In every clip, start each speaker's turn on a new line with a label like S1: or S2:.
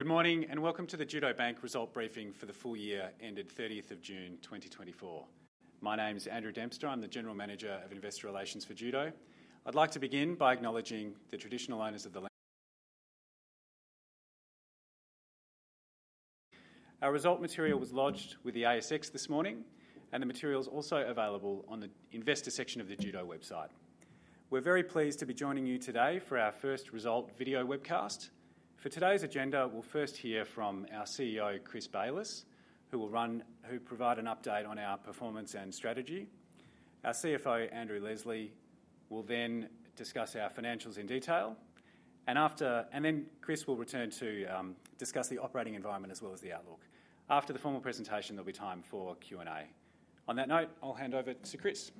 S1: Good morning, and welcome to the Judo Bank result briefing for the full year ended thirtieth of June, twenty twenty-four. My name is Andrew Dempster. I'm the General Manager of Investor Relations for Judo. I'd like to begin by acknowledging the traditional owners of the land. Our result material was lodged with the ASX this morning, and the material is also available on the investor section of the Judo website. We're very pleased to be joining you today for our first result video webcast. For today's agenda, we'll first hear from our CEO, Chris Bayliss, who will provide an update on our performance and strategy. Our CFO, Andrew Leslie, will then discuss our financials in detail, and then Chris will return to discuss the operating environment as well as the outlook. After the formal presentation, there'll be time for Q&A. On that note, I'll hand over to Chris.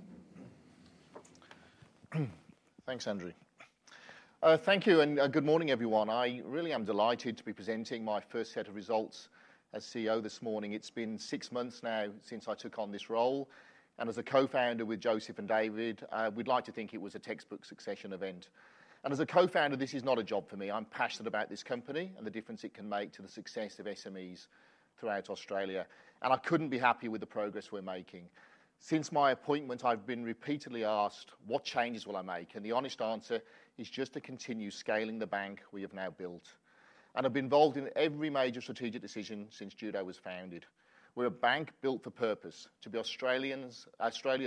S2: Thanks, Andrew. Thank you, and good morning, everyone. I really am delighted to be presenting my first set of results as CEO this morning. It's been six months now since I took on this role, and as a co-founder with Joseph and David, we'd like to think it was a textbook succession event, and as a co-founder, this is not a job for me. I'm passionate about this company and the difference it can make to the success of SMEs throughout Australia, and I couldn't be happier with the progress we're making. Since my appointment, I've been repeatedly asked, what changes will I make, and the honest answer is just to continue scaling the bank we have now built, and I've been involved in every major strategic decision since Judo was founded. We're a bank built for purpose, to be Australia's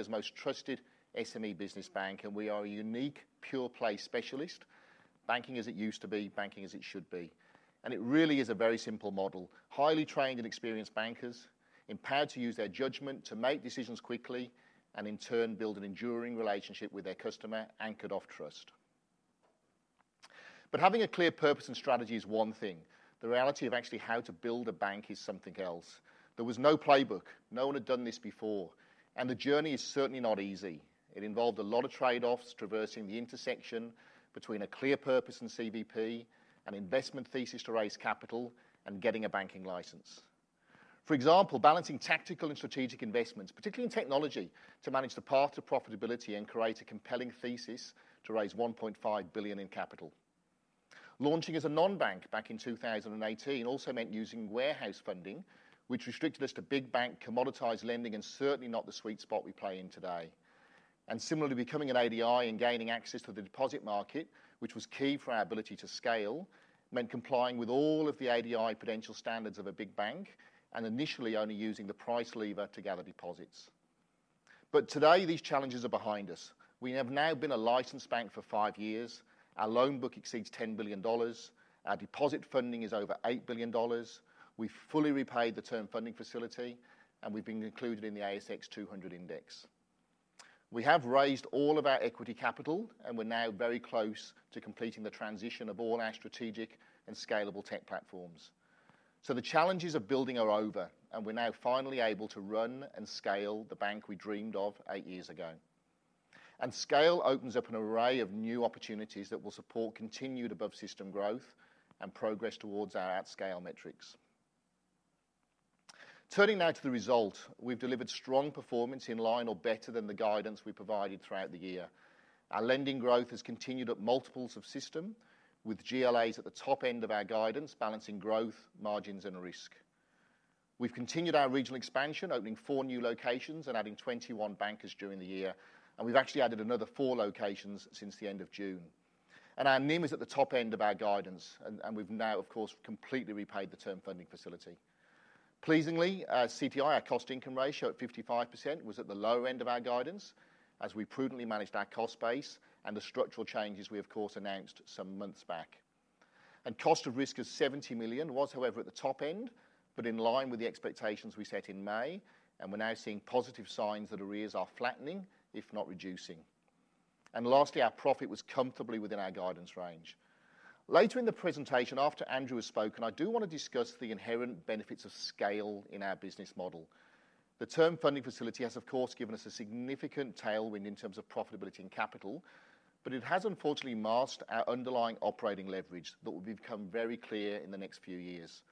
S2: most trusted SME business bank, and we are a unique, pure-play specialist. Banking as it used to be, banking as it should be. And it really is a very simple model. Highly trained and experienced bankers, empowered to use their judgment to make decisions quickly and in turn, build an enduring relationship with their customer, anchored off trust. But having a clear purpose and strategy is one thing. The reality of actually how to build a bank is something else. There was no playbook. No one had done this before, and the journey is certainly not easy. It involved a lot of trade-offs, traversing the intersection between a clear purpose and CVP, an investment thesis to raise capital, and getting a banking license. For example, balancing tactical and strategic investments, particularly in technology, to manage the path to profitability and create a compelling thesis to raise 1.5 billion in capital. Launching as a non-bank back in 2018 also meant using warehouse funding, which restricted us to big bank commoditized lending, and certainly not the sweet spot we play in today. And similarly, becoming an ADI and gaining access to the deposit market, which was key for our ability to scale, meant complying with all of the ADI prudential standards of a big bank, and initially, only using the price lever to gather deposits. But today, these challenges are behind us. We have now been a licensed bank for five years. Our loan book exceeds 10 billion dollars. Our deposit funding is over 8 billion dollars. We've fully Term Funding Facility, and we've been included in the ASX 200 index. We have raised all of our equity capital, and we're now very close to completing the transition of all our strategic and scalable tech platforms, so the challenges of building are over, and we're now finally able to run and scale the bank we dreamed of eight years ago, and scale opens up an array of new opportunities that will support continued above-system growth and progress towards our at-scale metrics. Turning now to the result, we've delivered strong performance in line or better than the guidance we provided throughout the year. Our lending growth has continued at multiples of system, with GLAs at the top end of our guidance, balancing growth, margins, and risk. We've continued our regional expansion, opening four new locations and adding 21 bankers during the year, and we've actually added another four locations since the end of June. Our NIM is at the top end of our guidance, and we've now, of course, completely Term Funding Facility. pleasingly, our CTI, our cost-income ratio, at 55%, was at the lower end of our guidance as we prudently managed our cost base and the structural changes we, of course, announced some months back. Cost of risk is 70 million, was however, at the top end, but in line with the expectations we set in May, and we're now seeing positive signs that arrears are flattening, if not reducing. Lastly, our profit was comfortably within our guidance range. Later in the presentation, after Andrew has spoken, I do want to discuss the inherent benefits of scale in our business Term Funding Facility has, of course, given us a significant tailwind in terms of profitability and capital, but it has unfortunately masked our underlying operating leverage that will become very clear in the next few years.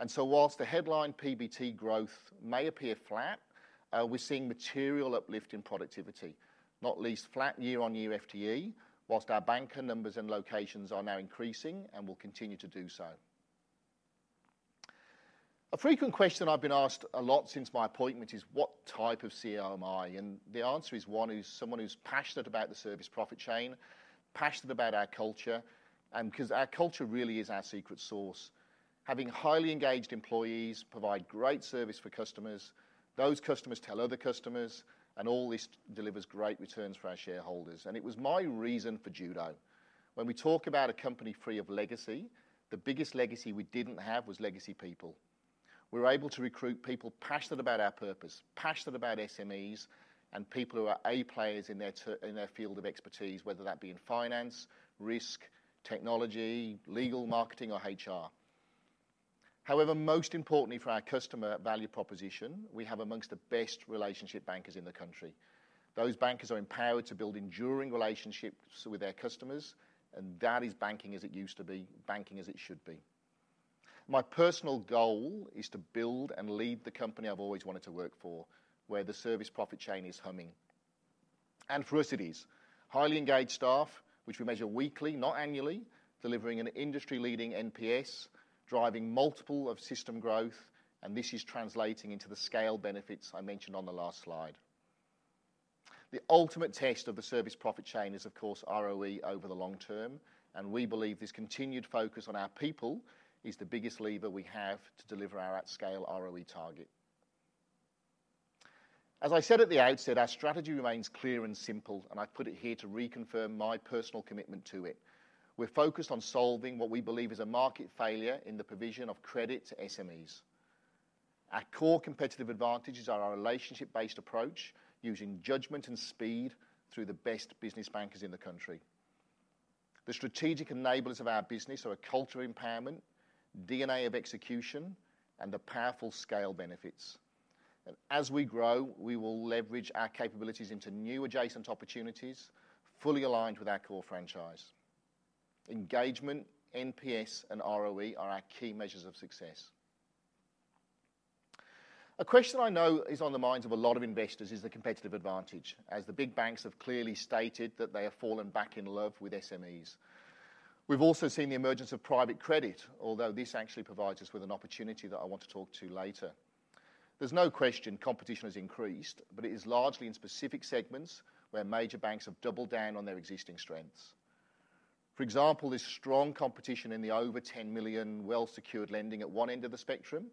S2: And so while the headline PBT growth may appear flat, we're seeing material uplift in productivity, not least flat year-on-year FTE, while our banker numbers and locations are now increasing and will continue to do so. A frequent question I've been asked a lot since my appointment is, what type of CEO am I? And the answer is, one, is someone who's passionate about the service profit chain, passionate about our culture, and because our culture really is our secret sauce. Having highly engaged employees provide great service for customers, those customers tell other customers, and all this delivers great returns for our shareholders, and it was my reason for Judo. When we talk about a company free of legacy, the biggest legacy we didn't have was legacy people. We were able to recruit people passionate about our purpose, passionate about SMEs, and people who are A players in their field of expertise, whether that be in finance, risk, technology, legal, marketing, or HR. However, most importantly, for our customer value proposition, we have amongst the best relationship bankers in the country. Those bankers are empowered to build enduring relationships with their customers, and that is banking as it used to be, banking as it should be. My personal goal is to build and lead the company I've always wanted to work for, where the service profit chain is humming and fructifies. Highly engaged staff, which we measure weekly, not annually, delivering an industry-leading NPS, driving multiple of system growth, and this is translating into the scale benefits I mentioned on the last slide. The ultimate test of the service profit chain is, of course, ROE over the long term, and we believe this continued focus on our people is the biggest lever we have to deliver our at-scale ROE target. As I said at the outset, our strategy remains clear and simple, and I put it here to reconfirm my personal commitment to it. We're focused on solving what we believe is a market failure in the provision of credit to SMEs. Our core competitive advantages are our relationship-based approach, using judgment and speed through the best business bankers in the country. The strategic enablers of our business are a culture of empowerment, DNA of execution, and the powerful scale benefits. And as we grow, we will leverage our capabilities into new adjacent opportunities, fully aligned with our core franchise. Engagement, NPS, and ROE are our key measures of success. A question I know is on the minds of a lot of investors is the competitive advantage, as the big banks have clearly stated that they have fallen back in love with SMEs. We've also seen the emergence of private credit, although this actually provides us with an opportunity that I want to talk to later. There's no question competition has increased, but it is largely in specific segments where major banks have doubled down on their existing strengths. For example, there's strong competition in the over $10 million well-secured lending at one end of the spectrum,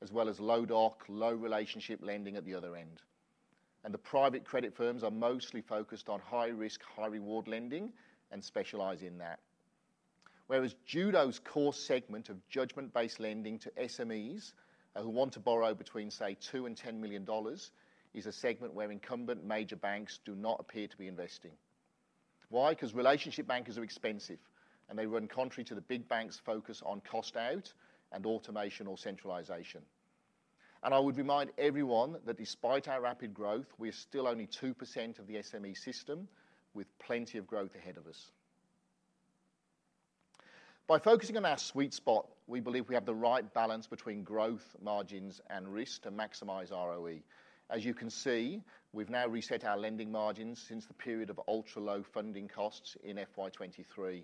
S2: as well as low doc, low relationship lending at the other end. And the private credit firms are mostly focused on high-risk, high-reward lending and specialize in that. Whereas Judo's core segment of judgment-based lending to SMEs, who want to borrow between, say, $2 million and $10 million, is a segment where incumbent major banks do not appear to be investing. Why? Because relationship bankers are expensive, and they run contrary to the big banks' focus on cost out and automation or centralization. And I would remind everyone that despite our rapid growth, we are still only 2% of the SME system, with plenty of growth ahead of us. By focusing on our sweet spot, we believe we have the right balance between growth, margins, and risk to maximize ROE. As you can see, we've now reset our lending margins since the period of ultra-low funding costs in FY 2023.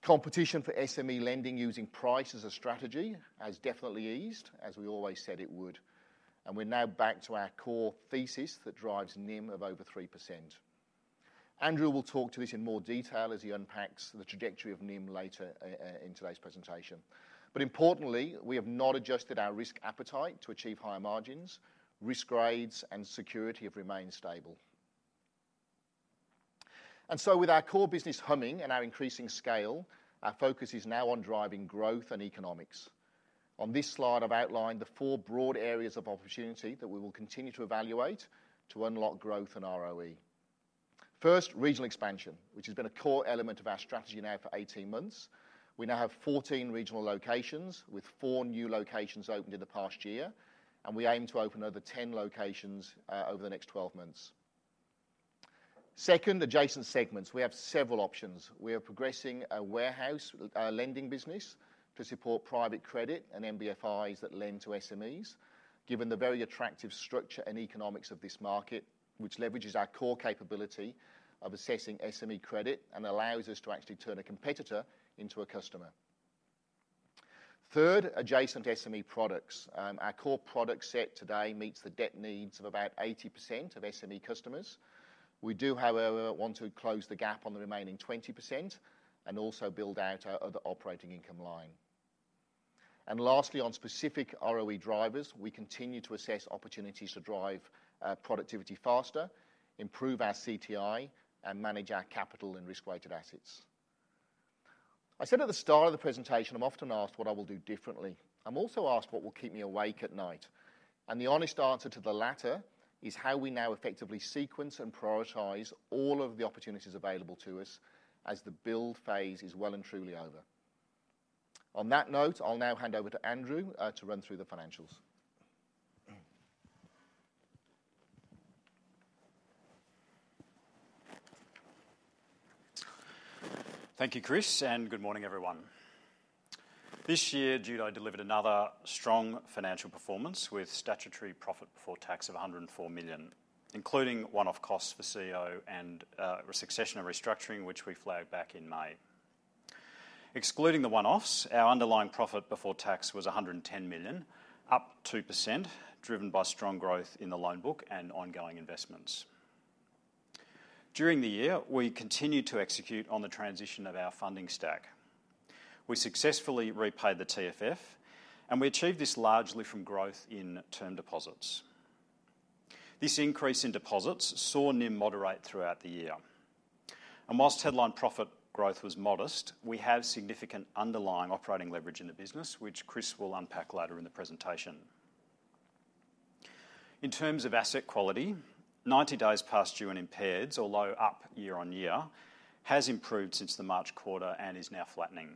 S2: Competition for SME lending using price as a strategy has definitely eased, as we always said it would, and we're now back to our core thesis that drives NIM of over 3%. Andrew will talk to this in more detail as he unpacks the trajectory of NIM later in today's presentation, but importantly, we have not adjusted our risk appetite to achieve higher margins. Risk grades and security have remained stable, and so with our core business humming and our increasing scale, our focus is now on driving growth and economics. On this slide, I've outlined the four broad areas of opportunity that we will continue to evaluate to unlock growth and ROE. First, regional expansion, which has been a core element of our strategy now for 18 months. We now have 14 regional locations, with four new locations opened in the past year, and we aim to open over 10 locations over the next 12 months. Second, adjacent segments. We have several options. We are progressing a warehouse lending business to support private credit and NBFIs that lend to SMEs, given the very attractive structure and economics of this market, which leverages our core capability of assessing SME credit and allows us to actually turn a competitor into a customer. Third, adjacent SME products. Our core product set today meets the debt needs of about 80% of SME customers. We do, however, want to close the gap on the remaining 20% and also build out our other operating income line. And lastly, on specific ROE drivers, we continue to assess opportunities to drive productivity faster, improve our CTI, and manage our capital and risk-weighted assets. I said at the start of the presentation, I'm often asked what I will do differently. I'm also asked what will keep me awake at night, and the honest answer to the latter is how we now effectively sequence and prioritize all of the opportunities available to us as the build phase is well and truly over. On that note, I'll now hand over to Andrew to run through the financials.
S3: Thank you, Chris, and good morning, everyone. This year, Judo delivered another strong financial performance with statutory profit before tax of $104 million, including one-off costs for CEO and succession and restructuring, which we flagged back in May. Excluding the one-offs, our underlying profit before tax was $110 million, up 2%, driven by strong growth in the loan book and ongoing investments. During the year, we continued to execute on the transition of our funding stack. We successfully repaid the TFF, and we achieved this largely from growth in term deposits. This increase in deposits saw NIM moderate throughout the year. And while headline profit growth was modest, we have significant underlying operating leverage in the business, which Chris will unpack later in the presentation. In terms of asset quality, ninety days past due and impaired, although up year on year, has improved since the March quarter and is now flattening.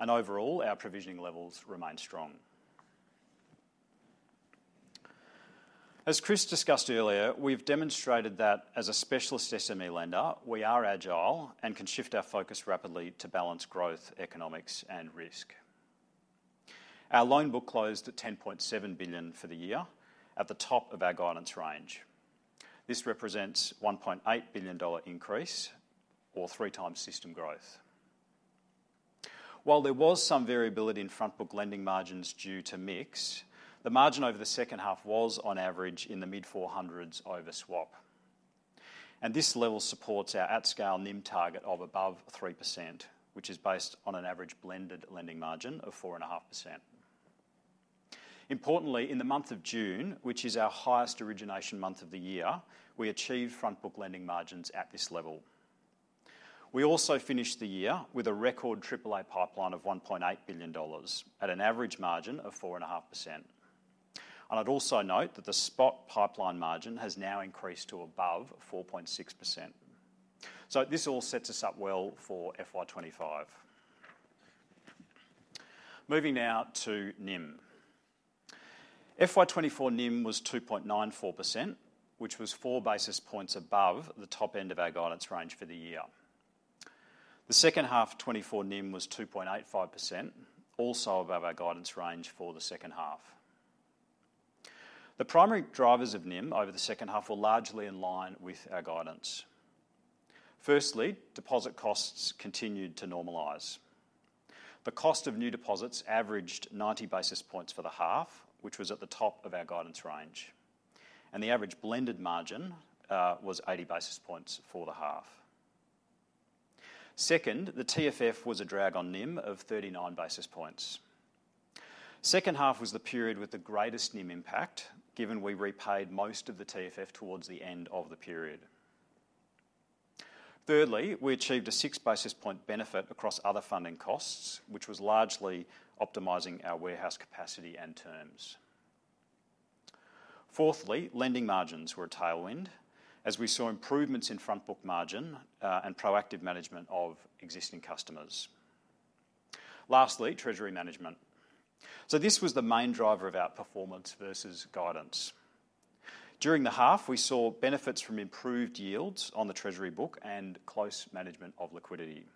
S3: And overall, our provisioning levels remain strong. As Chris discussed earlier, we've demonstrated that as a specialist SME lender, we are agile and can shift our focus rapidly to balance growth, economics, and risk. Our loan book closed at 10.7 billion for the year, at the top of our guidance range. This represents a 1.8 billion-dollar increase, or three times system growth. While there was some variability in front book lending margins due to mix, the margin over the second half was on average in the mid-400s over swap. And this level supports our at-scale NIM target of above 3%, which is based on an average blended lending margin of 4.5%. Importantly, in the month of June, which is our highest origination month of the year, we achieved front book lending margins at this level. We also finished the year with a record AAA pipeline of 1.8 billion dollars, at an average margin of 4.5%. And I'd also note that the spot pipeline margin has now increased to above 4.6%. So this all sets us up well for FY 2025. Moving now to NIM. FY 2024 NIM was 2.94%, which was four basis points above the top end of our guidance range for the year. The second half of 2024 NIM was 2.85%, also above our guidance range for the second half. The primary drivers of NIM over the second half were largely in line with our guidance. Firstly, deposit costs continued to normalize. The cost of new deposits averaged ninety basis points for the half, which was at the top of our guidance range, and the average blended margin was eighty basis points for the half. Second, the TFF was a drag on NIM of thirty-nine basis points. Second half was the period with the greatest NIM impact, given we repaid most of the TFF towards the end of the period. Thirdly, we achieved a six basis point benefit across other funding costs, which was largely optimizing our warehouse capacity and terms. Fourthly, lending margins were a tailwind, as we saw improvements in front book margin and proactive management of existing customers. Lastly, treasury management. So this was the main driver of our performance versus guidance. During the half, we saw benefits from improved yields on the treasury book and close management of liquidity.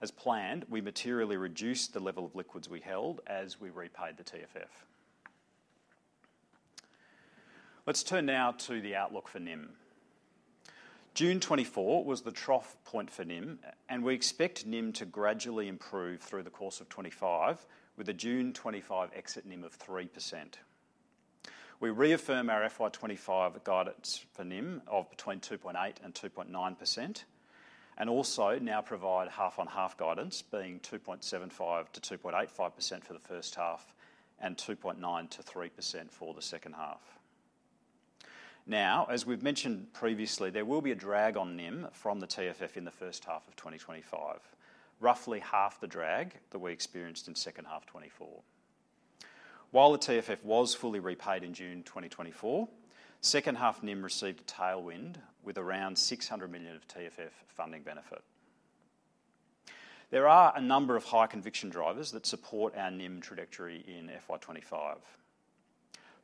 S3: As planned, we materially reduced the level of liquids we held as we repaid the TFF. Let's turn now to the outlook for NIM. June 2024 was the trough point for NIM, and we expect NIM to gradually improve through the course of 2025, with a June 2025 exit NIM of 3%. We reaffirm our FY 2025 guidance for NIM of between 2.8% and 2.9%, and also now provide half-on-half guidance, being 2.75%-2.85% for the first half and 2.9%-3% for the second half. Now, as we've mentioned previously, there will be a drag on NIM from the TFF in the first half of 2025, roughly half the drag that we experienced in second half 2024. While the TFF was fully repaid in June 2024, second half NIM received a tailwind with around 600 million of TFF funding benefit. There are a number of high conviction drivers that support our NIM trajectory in FY 2025.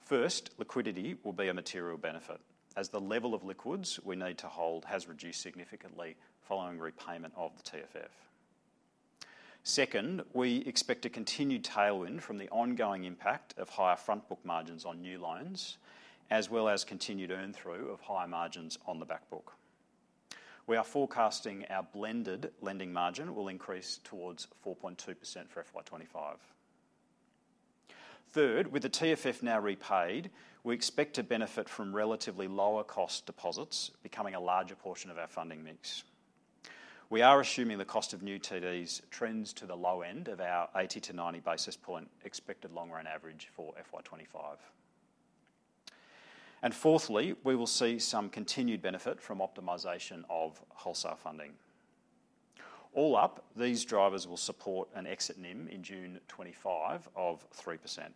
S3: First, liquidity will be a material benefit, as the level of liquids we need to hold has reduced significantly following repayment of the TFF. Second, we expect a continued tailwind from the ongoing impact of higher front book margins on new loans, as well as continued earn through of higher margins on the back book. We are forecasting our blended lending margin will increase towards 4.2% for FY 2025. Third, with the TFF now repaid, we expect to benefit from relatively lower cost deposits becoming a larger portion of our funding mix. We are assuming the cost of new TDs trends to the low end of our 80-90 basis point expected long-run average for FY 2025. And fourthly, we will see some continued benefit from optimization of wholesale funding. All up, these drivers will support an exit NIM in June 2025 of 3%.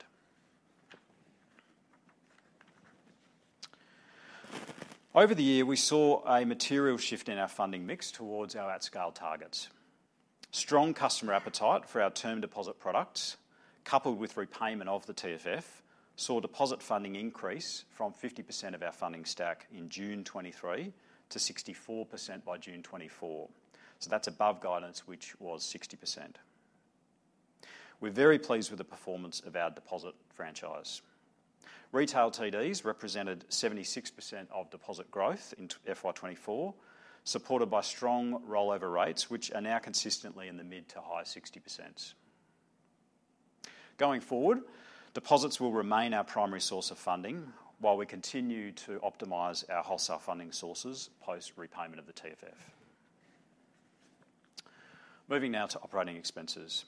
S3: Over the year, we saw a material shift in our funding mix towards our at-scale targets. Strong customer appetite for our term deposit products, coupled with repayment of the TFF, saw deposit funding increase from 50% of our funding stack in June 2023 to 64% by June 2024. So that's above guidance, which was 60%. We're very pleased with the performance of our deposit franchise. Retail TDs represented 76% of deposit growth in FY 2024, supported by strong rollover rates, which are now consistently in the mid- to high-60s. Going forward, deposits will remain our primary source of funding while we continue to optimize our wholesale funding sources post repayment of the TFF. Moving now to operating expenses.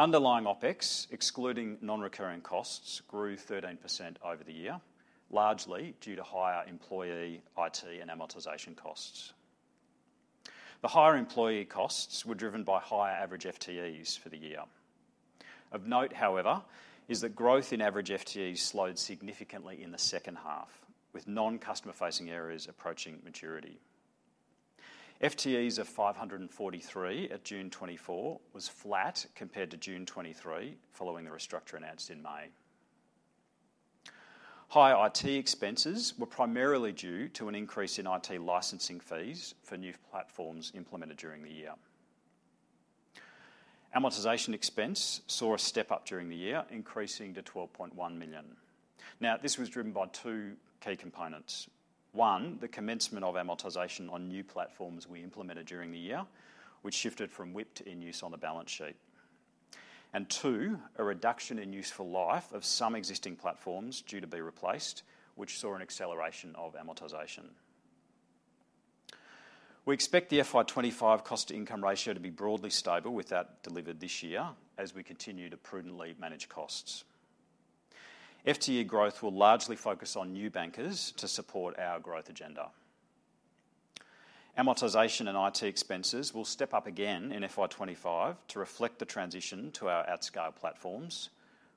S3: Underlying OpEx, excluding non-recurring costs, grew 13% over the year, largely due to higher employee, IT, and amortization costs. The higher employee costs were driven by higher average FTEs for the year. Of note, however, is that growth in average FTE slowed significantly in the second half, with non-customer facing areas approaching maturity. FTEs of 543 at June 2024 was flat compared to June 2023, following the restructure announced in May. Higher IT expenses were primarily due to an increase in IT licensing fees for new platforms implemented during the year. Amortization expense saw a step up during the year, increasing to 12.1 million. Now, this was driven by two key components: one, the commencement of amortization on new platforms we implemented during the year, which shifted from WIP in use on the balance sheet, and two, a reduction in useful life of some existing platforms due to be replaced, which saw an acceleration of amortization. We expect the FY 2025 cost-to-income ratio to be broadly stable, with that delivered this year as we continue to prudently manage costs. FTE growth will largely focus on new bankers to support our growth agenda. Amortization and IT expenses will step up again in FY 2025 to reflect the transition to our at scale platforms,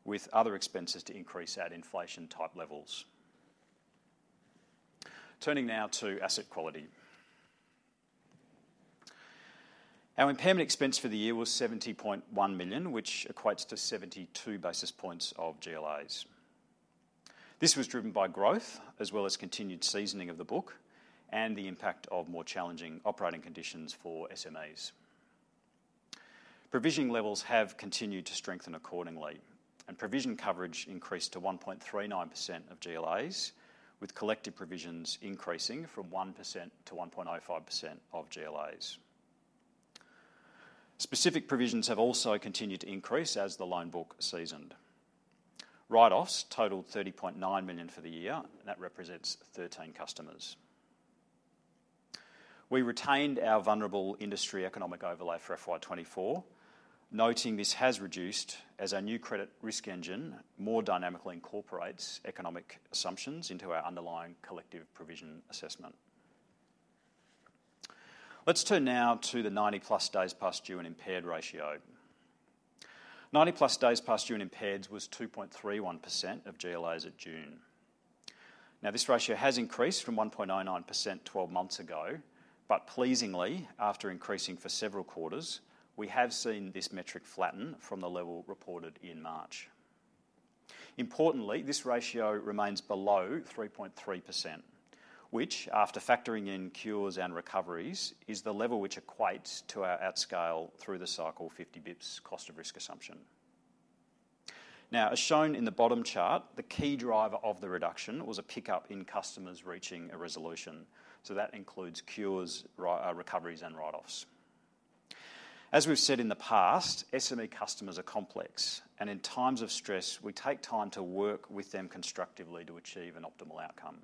S3: with other expenses to increase at inflation type levels. Turning now to asset quality. Our impairment expense for the year was 70.1 million, which equates to 72 basis points of GLAs. This was driven by growth, as well as continued seasoning of the book and the impact of more challenging operating conditions for SMEs. Provisioning levels have continued to strengthen accordingly, and provision coverage increased to 1.39% of GLAs, with collective provisions increasing from 1% to 1.05% of GLAs. Specific provisions have also continued to increase as the loan book seasoned. Write-offs totaled 30.9 million for the year, and that represents 13 customers. We retained our vulnerable industry economic overlay for FY 2024, noting this has reduced as our new credit risk engine more dynamically incorporates economic assumptions into our underlying collective provision assessment. Let's turn now to the ninety-plus days past due and impaired ratio. Ninety-plus days past due and impaired was 2.31% of GLAs at June. Now, this ratio has increased from 1.09% twelve months ago, but pleasingly, after increasing for several quarters, we have seen this metric flatten from the level reported in March. Importantly, this ratio remains below 3.3%, which, after factoring in cures and recoveries, is the level which equates to our at scale through the cycle, 50 basis points cost of risk assumption. Now, as shown in the bottom chart, the key driver of the reduction was a pickup in customers reaching a resolution. So that includes cures, recoveries, and write-offs. As we've said in the past, SME customers are complex, and in times of stress, we take time to work with them constructively to achieve an optimal outcome.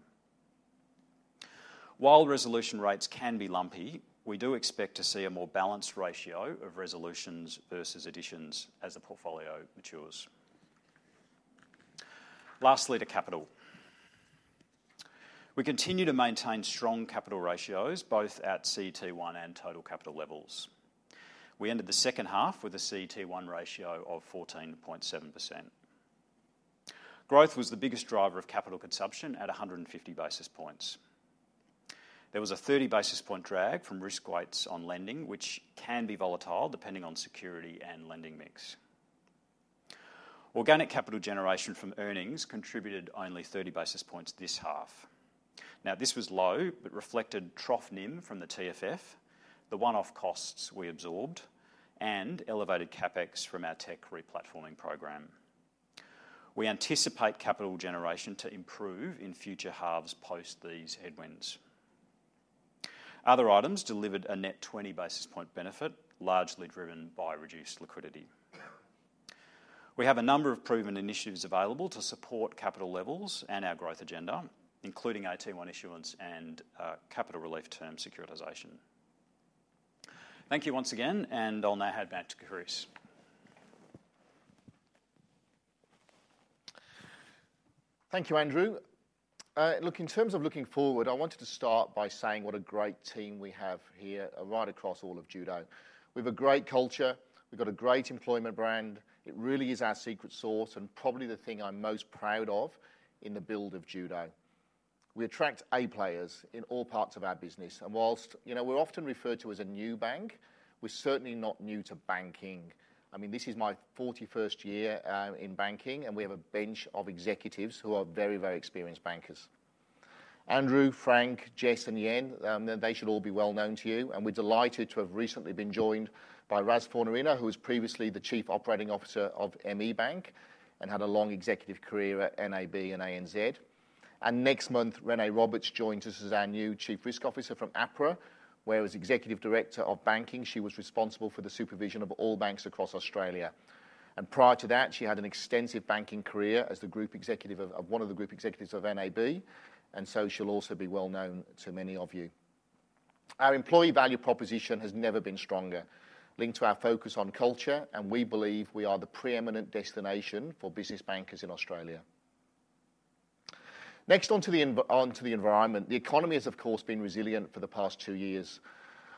S3: While resolution rates can be lumpy, we do expect to see a more balanced ratio of resolutions versus additions as the portfolio matures. Lastly, to capital. We continue to maintain strong capital ratios, both at CET1 and total capital levels. We ended the second half with a CET1 ratio of 14.7%. Growth was the biggest driver of capital consumption at 150 basis points. There was a 30 basis points drag from risk weights on lending, which can be volatile depending on security and lending mix. Organic capital generation from earnings contributed only 30 basis points this half. Now, this was low, but reflected trough NIM from the TFF, the one-off costs we absorbed, and elevated CapEx from our tech re-platforming program. We anticipate capital generation to improve in future halves post these headwinds. Other items delivered a net 20 basis points benefit, largely driven by reduced liquidity. We have a number of proven initiatives available to support capital levels and our growth agenda, including AT1 issuance and capital relief term securitization. Thank you once again, and I'll now hand back to Chris.
S2: Thank you, Andrew. Look, in terms of looking forward, I wanted to start by saying what a great team we have here right across all of Judo. We've a great culture, we've got a great employment brand. It really is our secret sauce, and probably the thing I'm most proud of in the build of Judo. We attract A players in all parts of our business, and while, you know, we're often referred to as a neobank, we're certainly not new to banking. I mean, this is my forty-first year in banking, and we have a bench of executives who are very, very experienced bankers. Andrew, Frank, Jess, and Yen, they should all be well known to you, and we're delighted to have recently been joined by Ros Fornarino, who was previously the Chief Operating Officer of ME Bank and had a long executive career at NAB and ANZ. Next month, Renee Roberts joins us as our new Chief Risk Officer from APRA, where as Executive Director of Banking, she was responsible for the supervision of all banks across Australia. Prior to that, she had an extensive banking career as the Group Executive of one of the Group Executives of NAB, and so she'll also be well known to many of you. Our employee value proposition has never been stronger, linked to our focus on culture, and we believe we are the pre-eminent destination for business bankers in Australia. Next, on to the environment. The economy has, of course, been resilient for the past two years.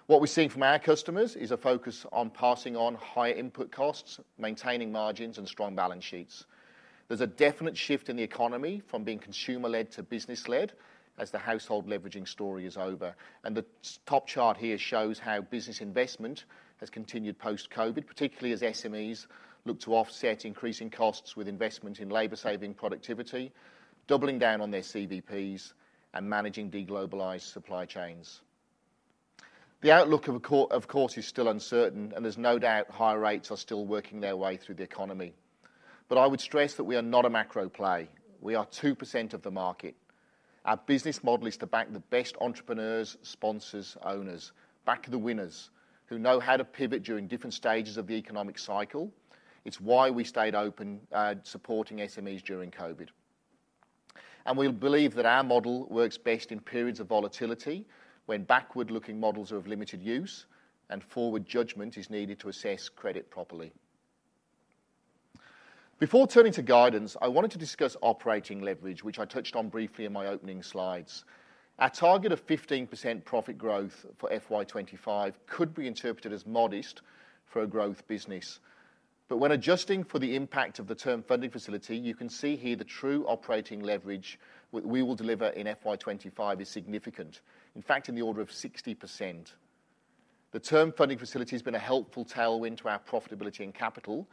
S2: What we're seeing from our customers is a focus on passing on higher input costs, maintaining margins and strong balance sheets. There's a definite shift in the economy from being consumer-led to business-led as the household leveraging story is over, and the top chart here shows how business investment has continued post-COVID, particularly as SMEs look to offset increasing costs with investment in labor-saving productivity, doubling down on their CVPs and managing de-globalized supply chains. The outlook of course is still uncertain, and there's no doubt higher rates are still working their way through the economy, but I would stress that we are not a macro play. We are 2% of the market. Our business model is to back the best entrepreneurs, sponsors, owners, back the winners who know how to pivot during different stages of the economic cycle. It's why we stayed open, supporting SMEs during COVID. And we believe that our model works best in periods of volatility, when backward-looking models are of limited use, and forward judgment is needed to assess credit properly. Before turning to guidance, I wanted to discuss operating leverage, which I touched on briefly in my opening slides. Our target of 15% profit growth for FY 2025 could be interpreted as modest for a growth business. But when adjusting for the impact Term Funding Facility, you can see here the true operating leverage we will deliver in FY 2025 is significant. In fact, in the order of 60%. Term Funding Facility has been a helpful tailwind to our profitability and capital,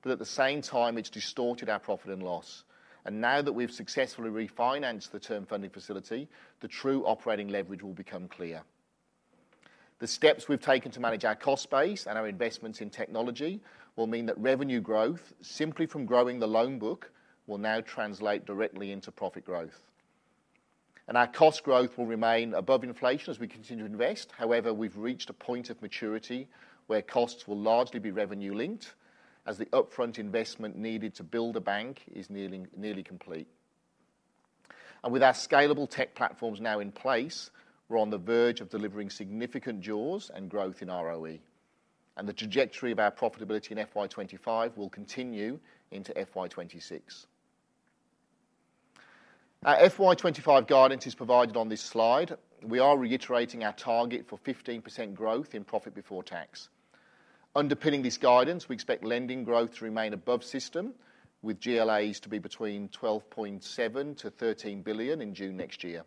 S2: but at the same time, it's distorted our profit and loss. And now that we've successfully Term Funding Facility, the true operating leverage will become clear. The steps we've taken to manage our cost base and our investments in technology will mean that revenue growth, simply from growing the loan book, will now translate directly into profit growth. And our cost growth will remain above inflation as we continue to invest. However, we've reached a point of maturity where costs will largely be revenue-linked, as the upfront investment needed to build a bank is nearly complete. And with our scalable tech platforms now in place, we're on the verge of delivering significant jaws and growth in ROE, and the trajectory of our profitability in FY 2025 will continue into FY 2026. Our FY 2025 guidance is provided on this slide. We are reiterating our target for 15% growth in profit before tax. Underpinning this guidance, we expect lending growth to remain above system, with GLAs to be between $12.7 billion to $13 billion in June next year.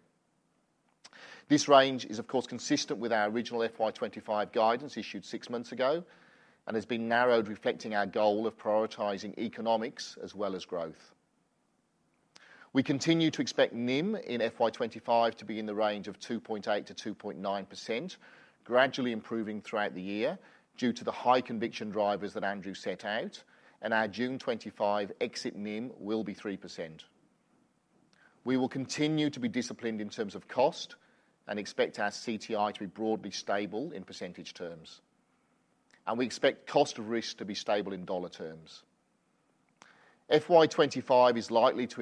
S2: This range is, of course, consistent with our original FY 2025 guidance issued six months ago and has been narrowed, reflecting our goal of prioritizing economics as well as growth. We continue to expect NIM in FY 2025 to be in the range of 2.8%-2.9%, gradually improving throughout the year due to the high conviction drivers that Andrew set out, and our June 2025 exit NIM will be 3%. We will continue to be disciplined in terms of cost and expect our CTI to be broadly stable in percentage terms, and we expect cost of risk to be stable in dollar terms. FY twenty-five ROE is likely to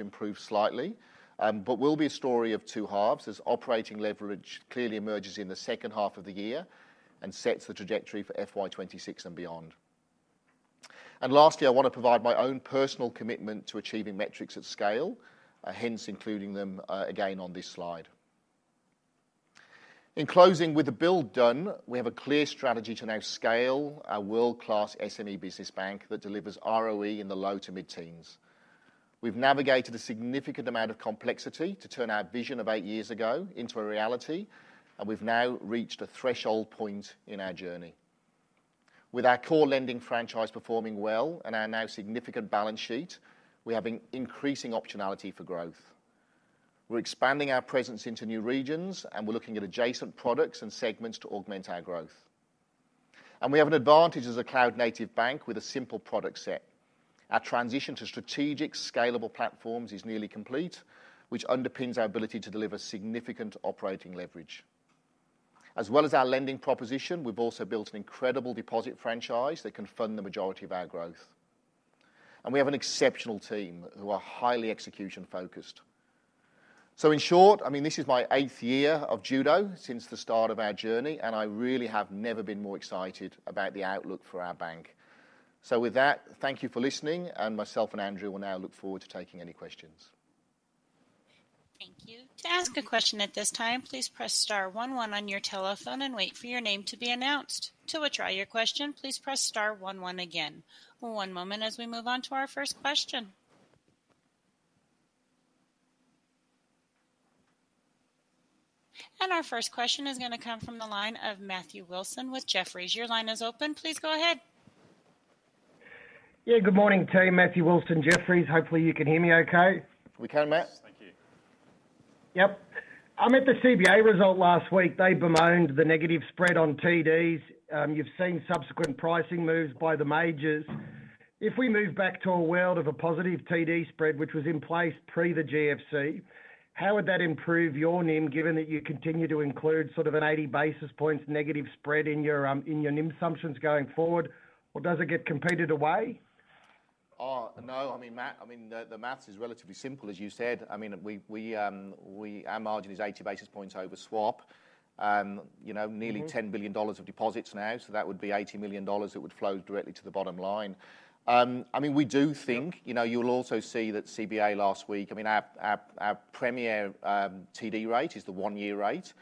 S2: improve slightly, but will be a story of two halves, as operating leverage clearly emerges in the second half of the year and sets the trajectory for FY twenty-six and beyond. And lastly, I want to provide my own personal commitment to achieving metrics at scale, hence including them, again on this slide. In closing, with the build done, we have a clear strategy to now scale a world-class SME business bank that delivers ROE in the low to mid-teens. We've navigated a significant amount of complexity to turn our vision of eight years ago into a reality, and we've now reached a threshold point in our journey. With our core lending franchise performing well and our now significant balance sheet, we have increasing optionality for growth. We're expanding our presence into new regions, and we're looking at adjacent products and segments to augment our growth, and we have an advantage as a cloud-native bank with a simple product set. Our transition to strategic, scalable platforms is nearly complete, which underpins our ability to deliver significant operating leverage. As well as our lending proposition, we've also built an incredible deposit franchise that can fund the majority of our growth, and we have an exceptional team who are highly execution-focused. So in short, I mean, this is my eighth year of Judo since the start of our journey, and I really have never been more excited about the outlook for our bank. So with that, thank you for listening, and myself and Andrew will now look forward to taking any questions.
S4: Thank you. To ask a question at this time, please press star one one on your telephone and wait for your name to be announced. To withdraw your question, please press star one one again. One moment as we move on to our first question. And our first question is gonna come from the line of Matthew Wilson with Jefferies. Your line is open. Please go ahead.
S5: Yeah, good morning, team. Matthew Wilson, Jefferies. Hopefully, you can hear me okay.
S2: We can, Matt.
S5: Thank you. Yep. I'm at the CBA result last week. They bemoaned the negative spread on TDs. You've seen subsequent pricing moves by the majors. If we move back to a world of a positive TD spread, which was in place pre the GFC, how would that improve your NIM, given that you continue to include sort of an eighty basis points negative spread in your NIM assumptions going forward, or does it get competed away?
S2: No. I mean, Matt, I mean, the math is relatively simple, as you said. I mean, our margin is 80 basis points over swap. You know, nearly 10 billion dollars of deposits now, so that would be 80 million dollars that would flow directly to the bottom line. I mean, we do think, you know, you'll also see that CBA last week. I mean, our premier TD rate is the one-year rate,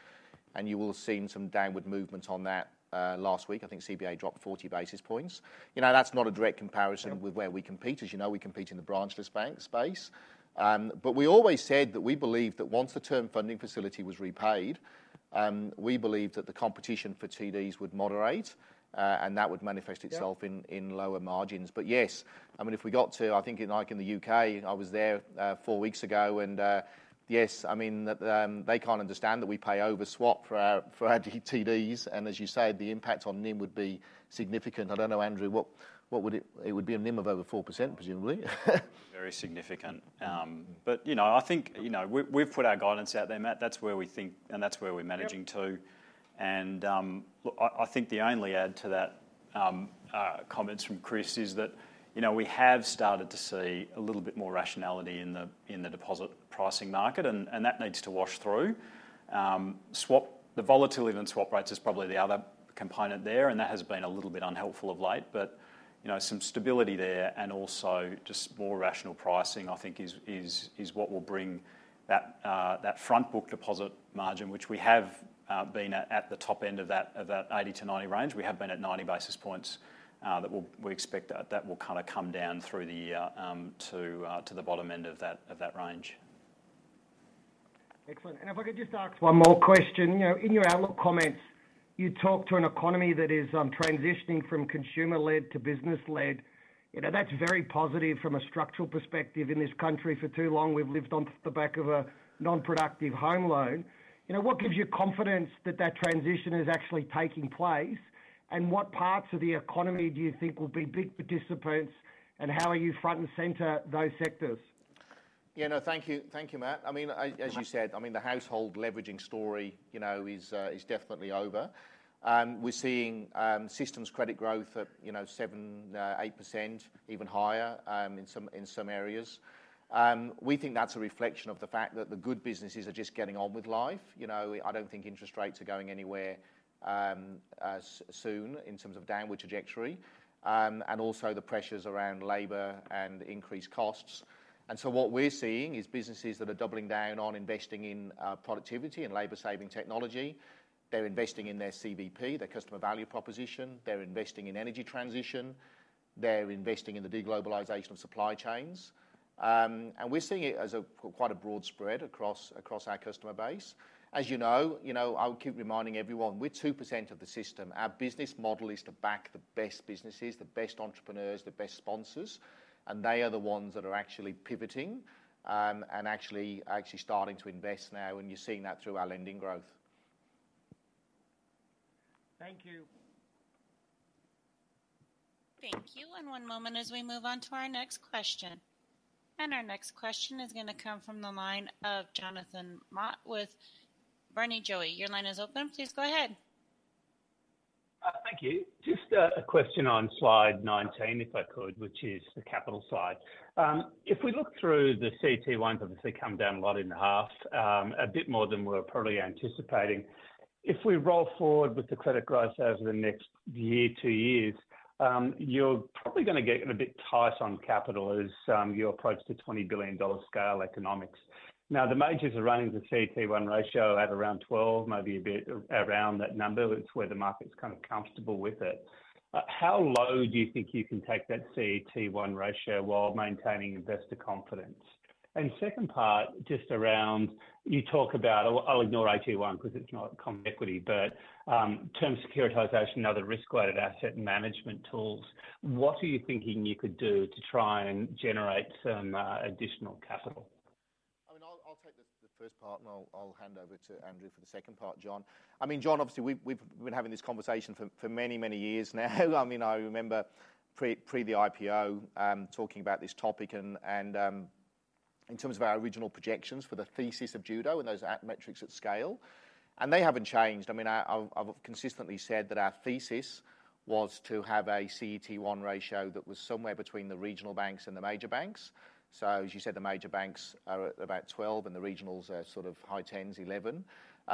S2: and you will have seen some downward movement on that last week. I think CBA dropped 40 basis points. You know, that's not a direct comparison with where we compete. As you know, we compete in the branchless bank space, but we always said that we believe that Term Funding Facility was repaid... We believe that the competition for TDs would moderate, and that would manifest itself-
S3: Yeah
S2: in lower margins. But yes, I mean, if we got to, I think, like in the U.K., I was there four weeks ago, and yes, I mean, they can't understand that we pay over swap for our TDs, and as you say, the impact on NIM would be significant. I don't know, Andrew, what would it be? It would be a NIM of over 4%, presumably?
S3: Very significant, but you know, I think, you know, we, we've put our guidance out there, Matt. That's where we think, and that's where we're managing to.
S2: Yep.
S3: And, look, I think the only add to that comments from Chris is that, you know, we have started to see a little bit more rationality in the deposit pricing market, and that needs to wash through. Swap, the volatility in swap rates is probably the other component there, and that has been a little bit unhelpful of late, but, you know, some stability there and also just more rational pricing, I think is what will bring that front book deposit margin, which we have been at the top end of that eighty to ninety range. We have been at ninety basis points that we expect will kind of come down through the year to the bottom end of that range.
S5: Excellent. And if I could just ask one more question. You know, in your outlook comments, you talk to an economy that is transitioning from consumer-led to business-led. You know, that's very positive from a structural perspective in this country. For too long, we've lived on the back of a non-productive home loan. You know, what gives you confidence that that transition is actually taking place? And what parts of the economy do you think will be big participants, and how are you front and center those sectors?
S2: Yeah, no, thank you. Thank you, Matt. I mean, as you said, I mean, the household leveraging story, you know, is definitely over. And we're seeing system credit growth at, you know, 7-8%, even higher in some areas. We think that's a reflection of the fact that the good businesses are just getting on with life. You know, I don't think interest rates are going anywhere soon in terms of downward trajectory, and also the pressures around labor and increased costs. And so what we're seeing is businesses that are doubling down on investing in productivity and labor-saving technology. They're investing in their CVP, their customer value proposition, they're investing in energy transition, they're investing in the de-globalization of supply chains. We're seeing it as quite a broad spread across our customer base. As you know, I would keep reminding everyone, we're 2% of the system. Our business model is to back the best businesses, the best entrepreneurs, the best sponsors, and they are the ones that are actually pivoting, and actually starting to invest now, and you're seeing that through our lending growth.
S5: Thank you.
S4: Thank you, and one moment as we move on to our next question. And our next question is gonna come from the line of Jonathan Mott with Barrenjoey. Your line is open. Please go ahead.
S6: Thank you. Just a question on slide 19, if I could, which is the capital side. If we look through the CET1, obviously come down a lot in half, a bit more than we're probably anticipating. If we roll forward with the credit growth over the next year, two years, you're probably gonna get a bit tight on capital as you approach the $20 billion scale economics. Now, the majors are running the CET1 ratio at around 12, maybe a bit around that number. That's where the market's kind of comfortable with it. How low do you think you can take that CET1 ratio while maintaining investor confidence? And second part, just around... you talk about, I'll ignore AT1 because it's not equity, but term securitization and other risk-weighted asset management tools, what are you thinking you could do to try and generate some additional capital?
S2: I mean, I'll take the first part, and I'll hand over to Andrew for the second part, John. I mean, John, obviously, we've been having this conversation for many years now. I mean, I remember pre the IPO, talking about this topic and in terms of our original projections for the thesis of Judo and those target metrics at scale, and they haven't changed. I mean, I've consistently said that our thesis was to have a CET1 ratio that was somewhere between the regional banks and the major banks. So as you said, the major banks are at about 12, and the regionals are sort of high tens, 11.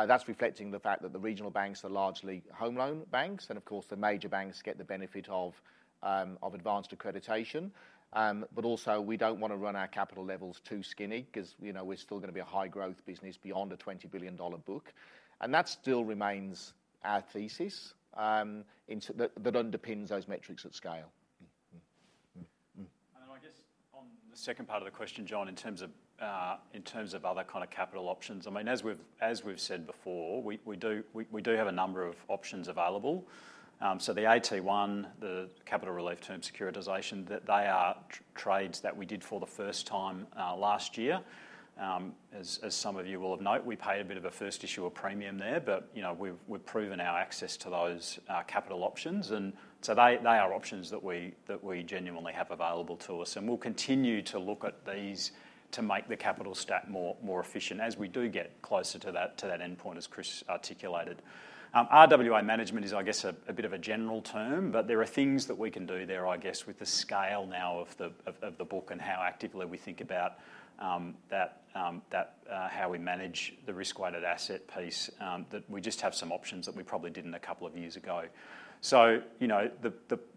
S2: That's reflecting the fact that the regional banks are largely home loan banks, and of course, the major banks get the benefit of advanced accreditation. But also, we don't want to run our capital levels too skinny because, you know, we're still gonna be a high-growth business beyond a $20 billion book. And that still remains our thesis, that underpins those metrics at scale.
S3: And I guess on the second part of the question, John, in terms of other kind of capital options, I mean, as we've said before, we do have a number of options available. So the AT1, the capital relief term securitization, that are trades that we did for the first time last year. As some of you will have noted, we paid a bit of a first-issue premium there, but you know, we've proven our access to those capital options, and so they are options that we genuinely have available to us. And we'll continue to look at these to make the capital stack more efficient as we do get closer to that endpoint, as Chris articulated. RWA management is, I guess, a bit of a general term, but there are things that we can do there, I guess, with the scale now of the book and how actively we think about that, how we manage the risk-weighted asset piece, that we just have some options that we probably didn't a couple of years ago. So, you know,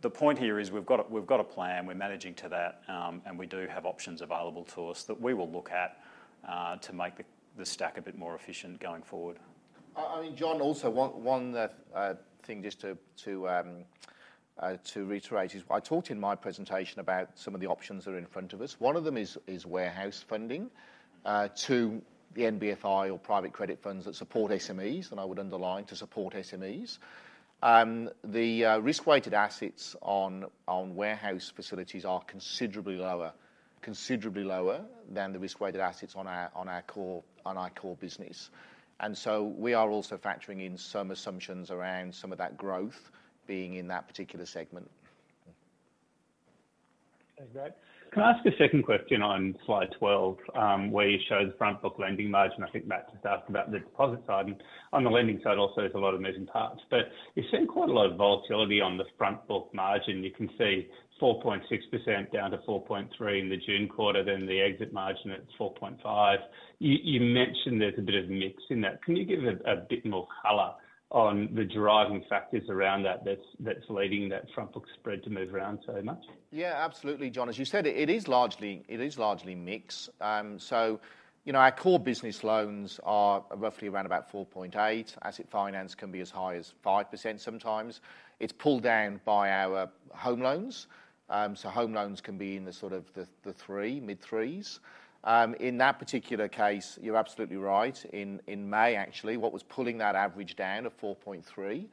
S3: the point here is we've got a plan, we're managing to that, and we do have options available to us that we will look at to make the stack a bit more efficient going forward.
S2: I mean, John, also one thing just to reiterate is I talked in my presentation about some of the options that are in front of us. One of them is warehouse funding to the NBFI or private credit funds that support SMEs, and I would underline to support SMEs. The risk-weighted assets on warehouse facilities are considerably lower than the risk-weighted assets on our core business. And so we are also factoring in some assumptions around some of that growth being in that particular segment.
S6: Thanks, Matt. Can I ask a second question on slide 12, where you show the front book lending margin? I think Matt just asked about the deposit side, and on the lending side also, there's a lot of moving parts. But you've seen quite a lot of volatility on the front book margin. You can see 4.6% down to 4.3% in the June quarter, then the exit margin at 4.5%. You mentioned there's a bit of a mix in that. Can you give a bit more color on the driving factors around that, that's leading that front book spread to move around so much?
S2: Yeah, absolutely, John. As you said, it is largely mix. So you know, our core business loans are roughly around about 4.8%. Asset finance can be as high as 5% sometimes. It's pulled down by our home loans, so home loans can be in the sort of the mid-threes. In that particular case, you're absolutely right. In May, actually, what was pulling that average down to 4.3%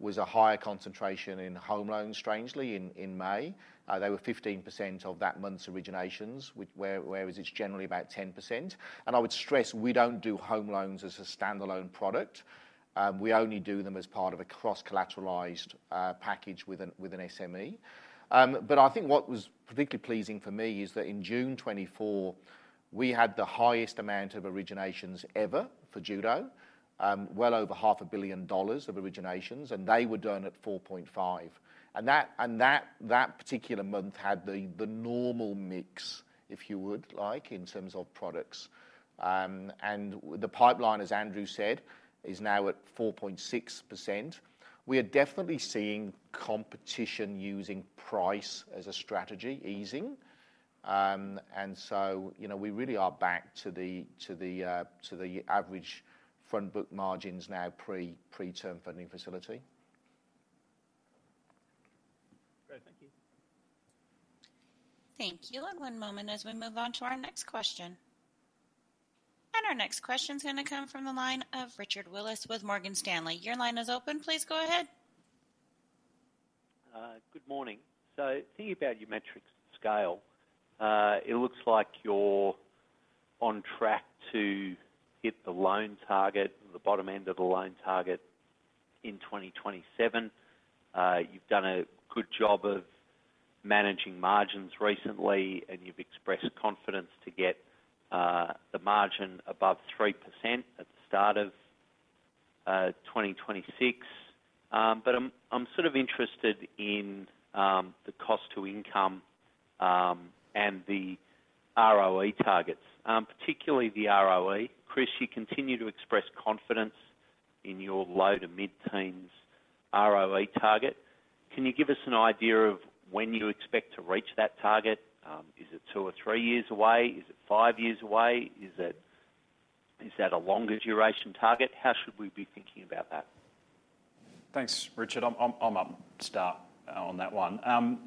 S2: was a higher concentration in home loans strangely in May. They were 15% of that month's originations, whereas it's generally about 10%. And I would stress, we don't do home loans as a standalone product. We only do them as part of a cross-collateralized package with an SME. But I think what was particularly pleasing for me is that in June 2024, we had the highest amount of originations ever for Judo, well over 500 million dollars of originations, and they were done at 4.5%. And that particular month had the normal mix, if you would like, in terms of products. And the pipeline, as Andrew said, is now at 4.6%. We are definitely seeing competition using price as a strategy easing. And so, you know, we really are back to the average front book margins now pre-Term Funding Facility.
S6: Great. Thank you.
S4: Thank you. One moment as we move on to our next question. Our next question is going to come from the line of Richard Wiles with Morgan Stanley. Your line is open. Please go ahead.
S7: Good morning. So thinking about your metrics scale, it looks like you're on track to hit the loan target, the bottom end of the loan target in twenty twenty-seven. You've done a good job of managing margins recently, and you've expressed confidence to get the margin above 3% at the start of twenty twenty-six. But I'm sort of interested in the cost-to-income and the ROE targets, particularly the ROE. Chris, you continue to express confidence in your low to mid-teens ROE target. Can you give us an idea of when you expect to reach that target? Is it two or three years away? Is it five years away? Is that a longer duration target? How should we be thinking about that?
S3: Thanks, Richard. I'm upstart on that one.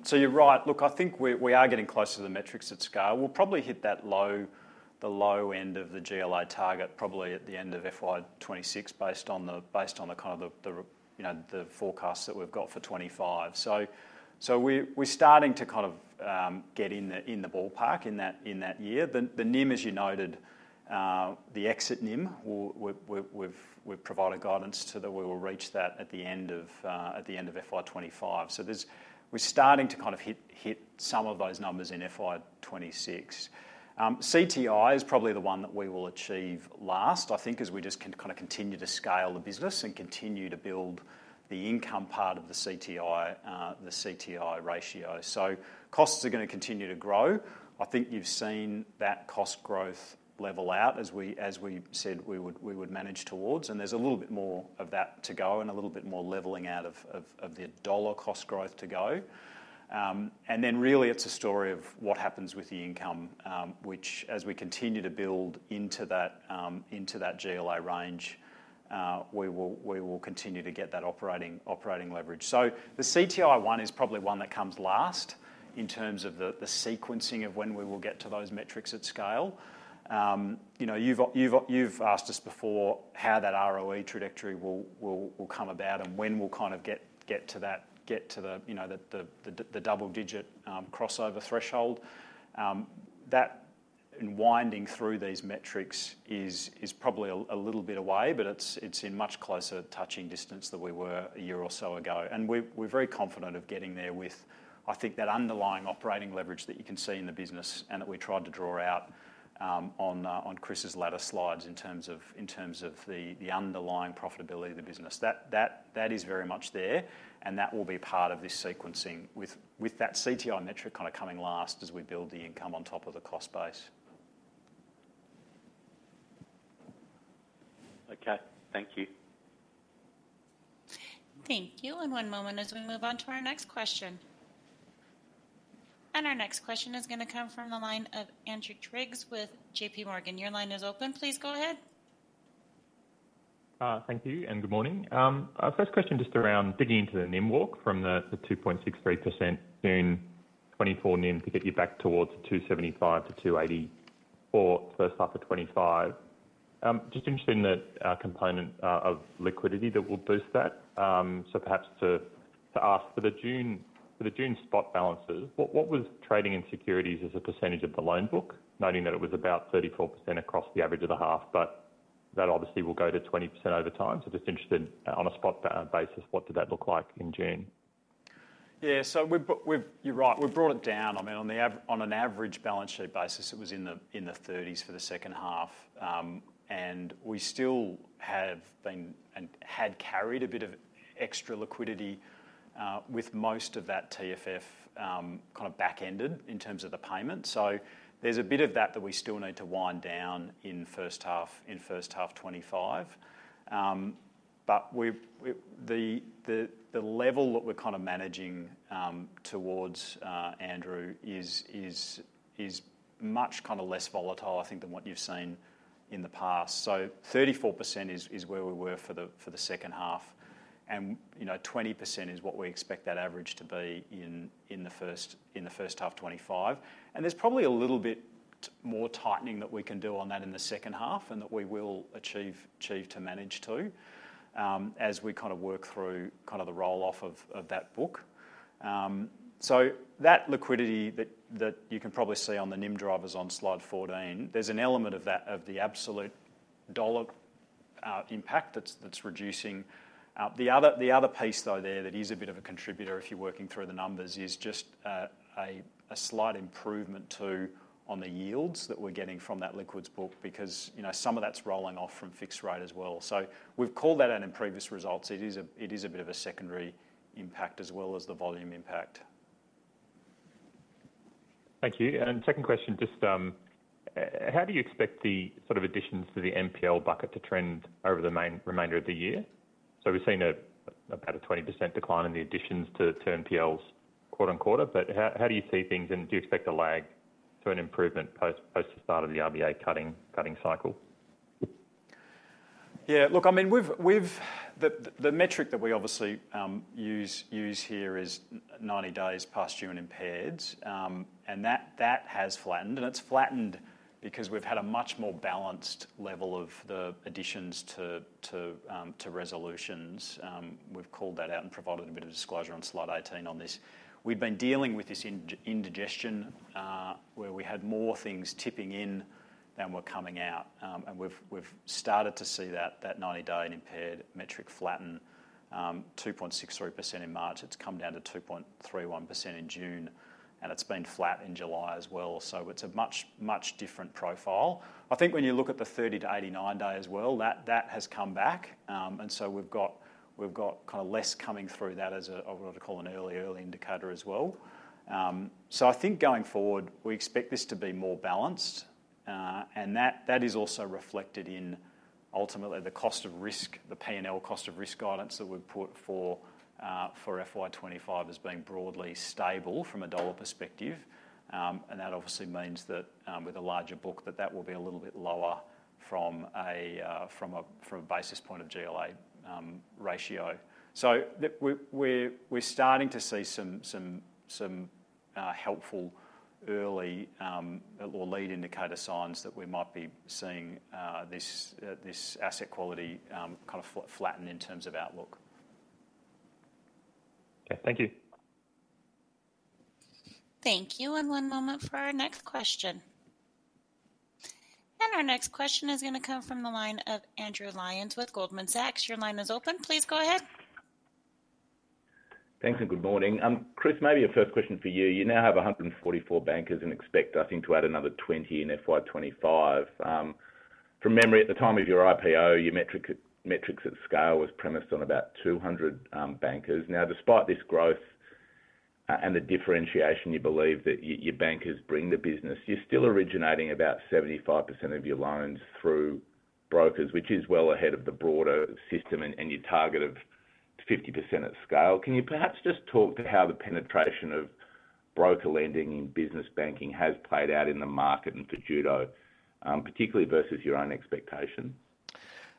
S3: So you're right. Look, I think we are getting closer to the metrics at scale. We'll probably hit the low end of the GLA target, probably at the end of FY 2026, based on the kind of the, you know, the forecast that we've got for 2025. So we're starting to kind of get in the ballpark in that year. The NIM, as you noted, the exit NIM, we've provided guidance that we will reach that at the end of FY 2025. So there's... We're starting to kind of hit some of those numbers in FY 2026. CTI is probably the one that we will achieve last, I think, as we just kind of continue to scale the business and continue to build the income part of the CTI, the CTI ratio. So costs are going to continue to grow. I think you've seen that cost growth level out as we said we would manage towards, and there's a little bit more of that to go and a little bit more leveling out of the dollar cost growth to go. And then really, it's a story of what happens with the income, which as we continue to build into that GLA range, we will continue to get that operating leverage. The CTI one is probably one that comes last in terms of the sequencing of when we will get to those metrics at scale. You know, you've asked us before how that ROE trajectory will come about and when we'll kind of get to that, get to the you know, the double-digit crossover threshold. That, in winding through these metrics, is probably a little bit away, but it's in much closer touching distance than we were a year or so ago. And we're very confident of getting there with, I think that underlying operating leverage that you can see in the business and that we tried to draw out on Chris's latter slides in terms of the underlying profitability of the business. That is very much there, and that will be part of this sequencing with that CTI metric kind of coming last as we build the income on top of the cost base.
S7: Okay. Thank you.
S4: Thank you. And one moment as we move on to our next question. And our next question is going to come from the line of Andrew Triggs with JP Morgan. Your line is open. Please go ahead....
S8: Thank you, and good morning. Our first question, just around digging into the NIM walk from the 2.63% in 2024 NIM to get you back towards 2.75%-2.84%, first half of 2025. Just interested in the component of liquidity that will boost that. So perhaps to ask for the June, for the June spot balances, what was trading in securities as a percentage of the loan book? Noting that it was about 34% across the average of the half, but that obviously will go to 20% over time. So just interested, on a spot basis, what did that look like in June?
S3: Yeah, so we've. You're right. We've brought it down. I mean, on an average balance sheet basis, it was in the thirties for the second half. And we still have been and had carried a bit of extra liquidity with most of that TFF kind of back-ended in terms of the payment. So there's a bit of that that we still need to wind down in first half 2025. But we've the level that we're kind of managing towards Andrew is much kinda less volatile, I think, than what you've seen in the past. So 34% is where we were for the second half, and you know, 20% is what we expect that average to be in the first half 2025. There's probably a little bit more tightening that we can do on that in the second half, and that we will achieve to manage to, as we kind of work through kind of the roll-off of that book. So that liquidity that you can probably see on the NIM drivers on slide 14, there's an element of that, of the absolute dollar impact that's reducing. The other piece, though, there that is a bit of a contributor, if you're working through the numbers, is just a slight improvement too, on the yields that we're getting from that liquidity book, because you know, some of that's rolling off from fixed rate as well. So we've called that out in previous results. It is a bit of a secondary impact as well as the volume impact.
S8: Thank you. And second question, just, how do you expect the sort of additions to the NPL bucket to trend over the main remainder of the year? So we've seen about a 20% decline in the additions to NPLs quarter on quarter, but how do you see things, and do you expect a lag to an improvement post the start of the RBA cutting cycle?
S3: Yeah, look, I mean, we've... The metric that we obviously use here is ninety days past due and impaired, and that has flattened, and it's flattened because we've had a much more balanced level of the additions to resolutions. We've called that out and provided a bit of disclosure on slide 18 on this. We've been dealing with this indigestion, where we had more things tipping in than were coming out. And we've started to see that ninety-day impaired metric flatten, 2.63% in March. It's come down to 2.31% in June, and it's been flat in July as well. So it's a much different profile. I think when you look at the 30- to 89-day as well, that has come back. And so we've got kind of less coming through that as a what I call an early indicator as well. So I think going forward, we expect this to be more balanced, and that is also reflected in ultimately the cost of risk, the P&L cost of risk guidance that we've put for FY 2025 as being broadly stable from a dollar perspective. And that obviously means that with a larger book, that will be a little bit lower from a basis point of GLA ratio. So we're starting to see some helpful early or lead indicator signs that we might be seeing this asset quality kind of flatten in terms of outlook.
S8: Okay, thank you.
S4: Thank you, and one moment for our next question. Our next question is gonna come from the line of Andrew Lyons with Goldman Sachs. Your line is open. Please go ahead.
S9: Thanks and good morning. Chris, maybe a first question for you. You now have 144 bankers and expect, I think, to add another 20 in FY 2025. From memory, at the time of your IPO, your metrics at scale was premised on about 200 bankers. Now, despite this growth and the differentiation, you believe that your bankers bring the business. You're still originating about 75% of your loans through brokers, which is well ahead of the broader system and your target of 50% at scale. Can you perhaps just talk to how the penetration of broker lending in business banking has played out in the market and for Judo, particularly versus your own expectation?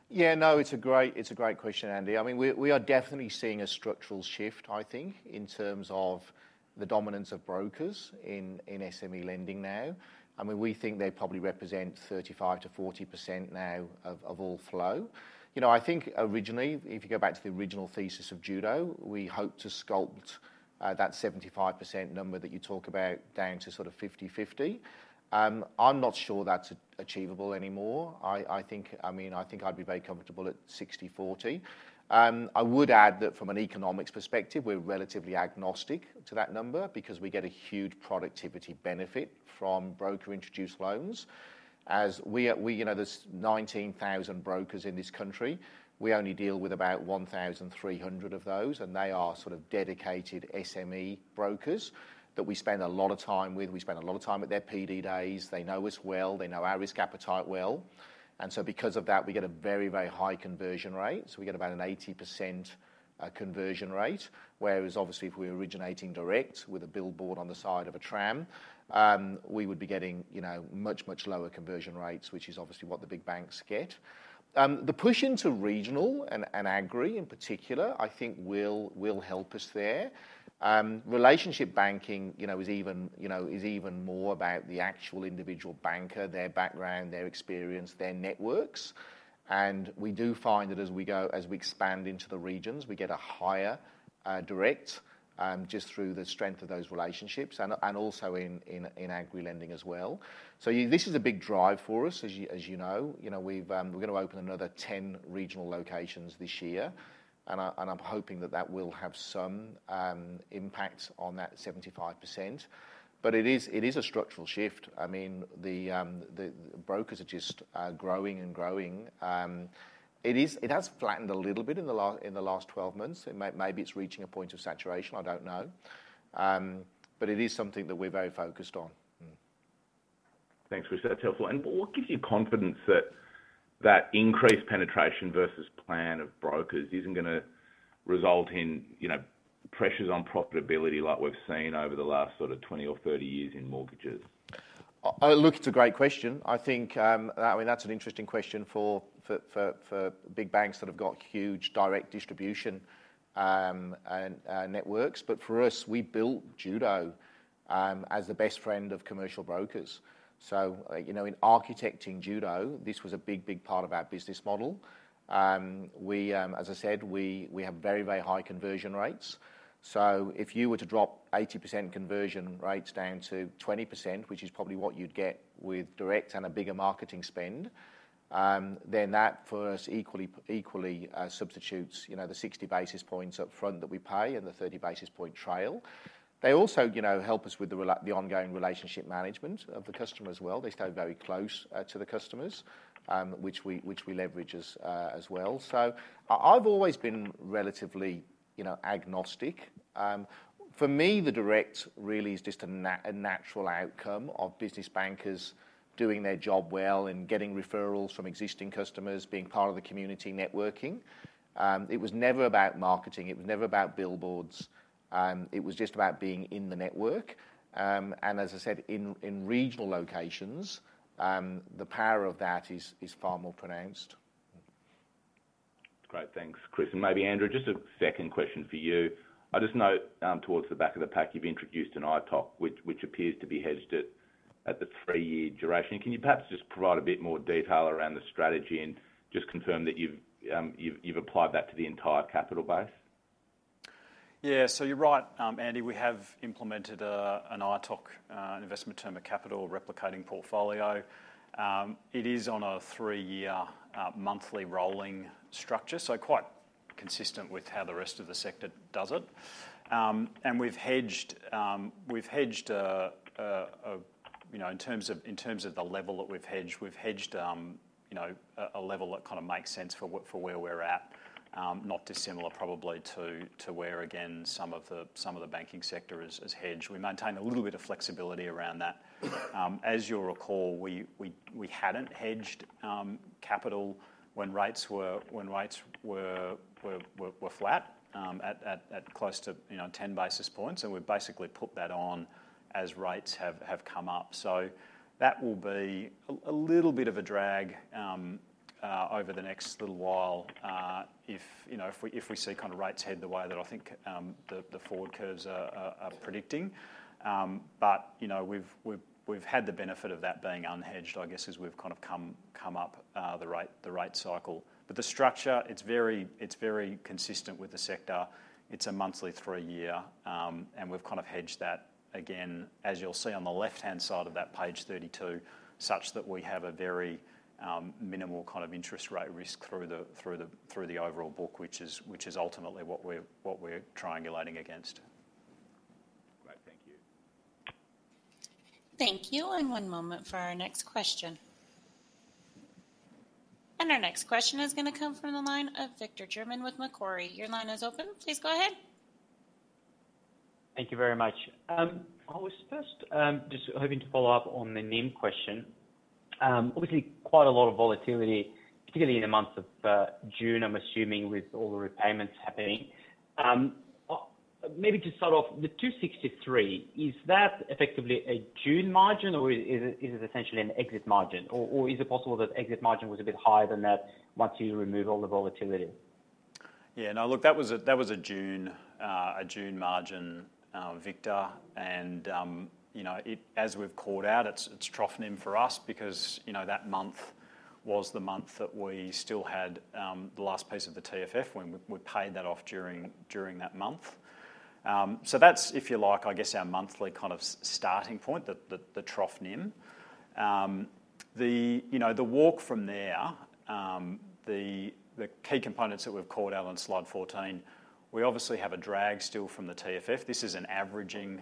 S2: Yeah, no, it's a great question, Andy. I mean, we are definitely seeing a structural shift, I think, in terms of the dominance of brokers in SME lending now. I mean, we think they probably represent 35-40% now of all flow. You know, I think originally, if you go back to the original thesis of Judo, we hoped to sculpt that 75% number that you talk about down to sort of 50-50. I'm not sure that's achievable anymore. I think I'd be very comfortable at 60-40. I would add that from an economics perspective, we're relatively agnostic to that number because we get a huge productivity benefit from broker-introduced loans. As we, you know, there's 19,000 brokers in this country. We only deal with about 1,300 of those, and they are sort of dedicated SME brokers that we spend a lot of time with. We spend a lot of time at their PD days. They know us well, they know our risk appetite well, and so because of that, we get a very, very high conversion rate. So we get about an 80% conversion rate, whereas obviously, if we're originating direct with a billboard on the side of a tram, we would be getting, you know, much, much lower conversion rates, which is obviously what the big banks get. The push into regional and agri in particular, I think will help us there. Relationship banking, you know, is even, you know, is even more about the actual individual banker, their background, their experience, their networks, and we do find that as we go, as we expand into the regions, we get a higher direct just through the strength of those relationships and also in Agri lending as well. So this is a big drive for us, as you know. You know, we're gonna open another 10 regional locations this year, and I'm hoping that that will have some impact on that 75%. But it is a structural shift. I mean, the brokers are just growing and growing. It has flattened a little bit in the last 12 months. It might, maybe it's reaching a point of saturation, I don't know. But it is something that we're very focused on....
S9: Thanks, Chris. That's helpful. And what gives you confidence that increased penetration versus plan of brokers isn't gonna result in, you know, pressures on profitability like we've seen over the last sort of 20 or 30 years in mortgages?
S2: Look, it's a great question. I think, I mean, that's an interesting question for big banks that have got huge direct distribution, and networks. But for us, we built Judo as the best friend of commercial brokers. So, you know, in architecting Judo, this was a big, big part of our business model. As I said, we have very, very high conversion rates. So if you were to drop 80% conversion rates down to 20%, which is probably what you'd get with direct and a bigger marketing spend, then that for us equally substitutes, you know, the 60 basis points up front that we pay and the 30 basis point trail. They also, you know, help us with the ongoing relationship management of the customer as well. They stay very close to the customers, which we leverage as well. So I, I've always been relatively, you know, agnostic. For me, the direct really is just a natural outcome of business bankers doing their job well and getting referrals from existing customers, being part of the community networking. It was never about marketing, it was never about billboards, it was just about being in the network. And as I said, in regional locations, the power of that is far more pronounced.
S9: Great. Thanks, Chris. And maybe Andrew, just a second question for you. I just note towards the back of the pack, you've introduced an ITOC, which appears to be hedged at the three-year duration. Can you perhaps just provide a bit more detail around the strategy and just confirm that you've applied that to the entire capital base?
S3: Yeah. So you're right, Andy, we have implemented an ITOC, an Investment Term of Capital replicating portfolio. It is on a three-year monthly rolling structure, so quite consistent with how the rest of the sector does it. And we've hedged, you know, in terms of the level that we've hedged, a level that kind of makes sense for what—for where we're at. Not dissimilar probably to where, again, some of the banking sector is hedged. We maintain a little bit of flexibility around that. As you'll recall, we hadn't hedged capital when rates were flat at close to, you know, ten basis points, and we basically put that on as rates have come up. So that will be a little bit of a drag over the next little while, if, you know, if we see kind of rates head the way that I think the forward curves are predicting. But, you know, we've had the benefit of that being unhedged, I guess, as we've kind of come up the rate cycle. But the structure, it's very consistent with the sector. It's a monthly three-year, and we've kind of hedged that again, as you'll see on the left-hand side of that page 32, such that we have a very minimal kind of interest rate risk through the overall book, which is ultimately what we're triangulating against.
S9: Great. Thank you.
S4: Thank you, and one moment for our next question. And our next question is gonna come from the line of Victor German with Macquarie. Your line is open. Please go ahead.
S10: Thank you very much. I was first just hoping to follow up on the NIM question. Obviously, quite a lot of volatility, particularly in the month of June, I'm assuming, with all the repayments happening. Maybe to start off, the two sixty-three, is that effectively a June margin, or is it essentially an exit margin? Or is it possible that exit margin was a bit higher than that once you remove all the volatility?
S3: Yeah. No, look, that was a June margin, Victor, and, you know, it—as we've called out, it's trough NIM for us because, you know, that month was the month that we still had the last piece of the TFF, when we paid that off during that month. So that's, if you like, I guess, our monthly kind of starting point, the trough NIM. The, you know, the walk from there, the key components that we've called out on slide 14, we obviously have a drag still from the TFF. This is an averaging,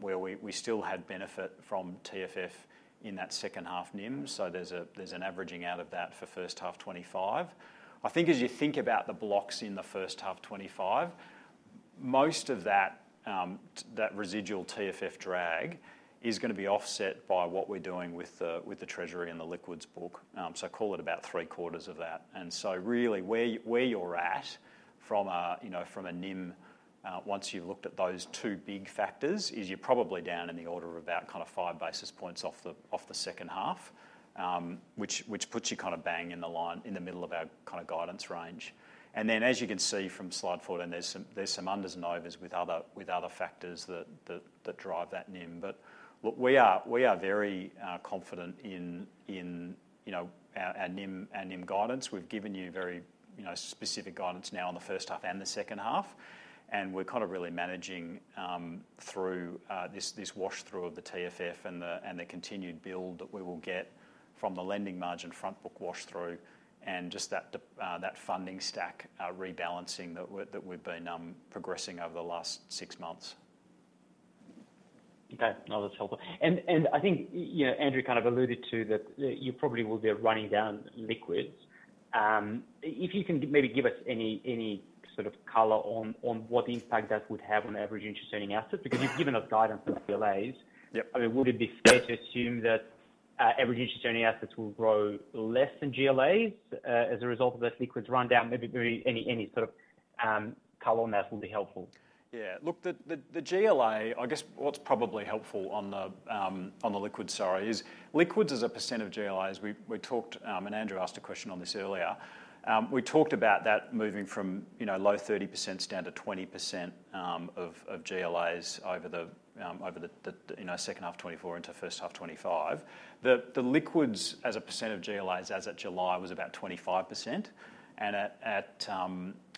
S3: where we still had benefit from TFF in that second half NIM, so there's an averaging out of that for first half 2025. I think as you think about the blocks in the first half 'twenty-five, most of that, that residual TFF drag is gonna be offset by what we're doing with the, with the treasury and the liquids book. So call it about three-quarters of that. And so really, where, where you're at from a, you know, from a NIM, once you've looked at those two big factors, is you're probably down in the order of about kind of five basis points off the, off the second half, which, which puts you kind of bang in the line, in the middle of our kind of guidance range. And then, as you can see from slide fourteen, there's some, there's some unders and overs with other, with other factors that, that, that drive that NIM. But look, we are very confident in, you know, our NIM guidance. We've given you very, you know, specific guidance now on the first half and the second half, and we're kind of really managing through this wash through of the TFF and the continued build that we will get from the lending margin front book wash through, and just that funding stack rebalancing that we've been progressing over the last six months.
S10: Okay. No, that's helpful. I think you know, Andrew kind of alluded to that. You probably will be running down liquidity. If you can maybe give us any sort of color on what impact that would have on average interest earning assets, because you've given us guidance on GLAs.
S3: Yep.
S10: I mean, would it be fair to assume that average interest earning assets will grow less than GLAs as a result of this liquidity rundown? Maybe any sort of color on that will be helpful.
S3: Yeah, look, the GLA, I guess what's probably helpful on the liquids, sorry, is liquids as a percent of GLAs. We talked, and Andrew asked a question on this earlier. We talked about that moving from, you know, low 30% down to 20% of GLAs over the second half 2024 into first half 2025. The liquids as a percent of GLAs, as at July, was about 25%, and at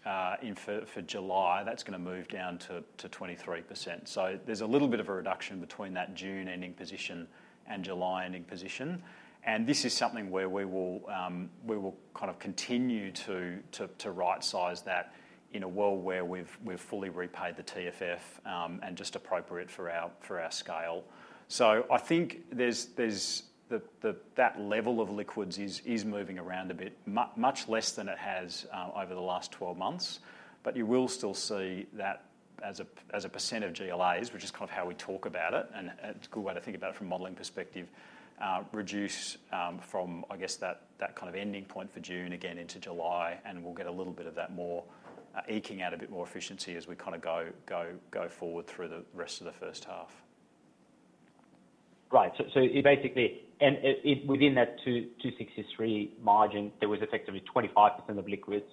S3: the end of July, that's gonna move down to 23%. So there's a little bit of a reduction between that June ending position and July ending position. And this is something where we will kind of continue to rightsize that in a world where we've fully repaid the TFF, and just appropriate for our scale. So I think there's that level of liquidity is moving around a bit, much less than it has over the last 12 months. But you will still see that as a % of GLAs, which is kind of how we talk about it, and it's a good way to think about it from a modeling perspective, reduce from, I guess, that kind of ending point for June again into July, and we'll get a little bit of that more eking out a bit more efficiency as we kind of go forward through the rest of the first half.
S10: Right. So basically, and it within that two to 63 margin, there was effectively 25% of liquids,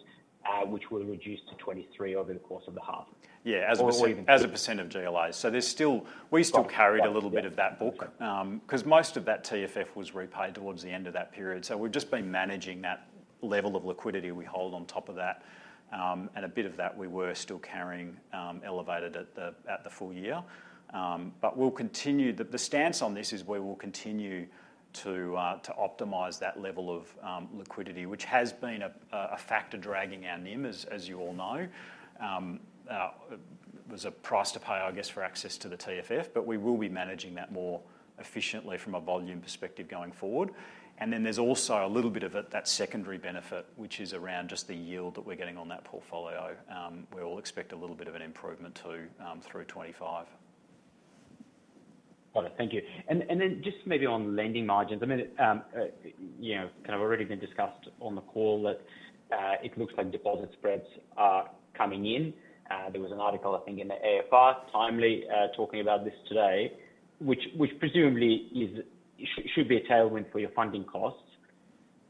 S10: which will reduce to 23% over the course of the half?
S3: Yeah, as-
S10: Or even-...
S3: as a % of GLAs. So there's still, we still carried a little bit of that book-
S10: Okay...
S3: 'cause most of that TFF was repaid towards the end of that period. So we've just been managing that level of liquidity we hold on top of that. And a bit of that, we were still carrying elevated at the full year. But we'll continue. The stance on this is we will continue to optimize that level of liquidity, which has been a factor dragging our NIM, as you all know. There's a price to pay, I guess, for access to the TFF, but we will be managing that more efficiently from a volume perspective going forward. And then there's also a little bit of it, that secondary benefit, which is around just the yield that we're getting on that portfolio. We all expect a little bit of an improvement, too, through 2025.
S10: Got it. Thank you. And then just maybe on lending margins, I mean, you know, kind of already been discussed on the call that it looks like deposit spreads are coming in. There was an article, I think, in the AFR, timely, talking about this today, which presumably should be a tailwind for your funding costs.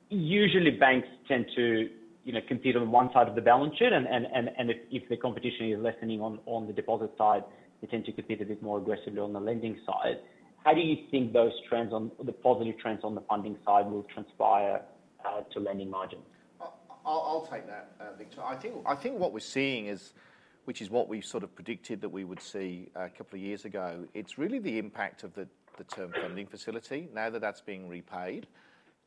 S10: Usually, banks tend to, you know, compete on one side of the balance sheet, and if the competition is lessening on the deposit side, they tend to compete a bit more aggressively on the lending side. How do you think those trends, the positive trends on the funding side will transpire to lending margins?
S2: I'll take that, Victor. I think what we're seeing is what we sort of predicted that we would see a couple of years ago. It's really the impact Term Funding Facility now that that's being repaid.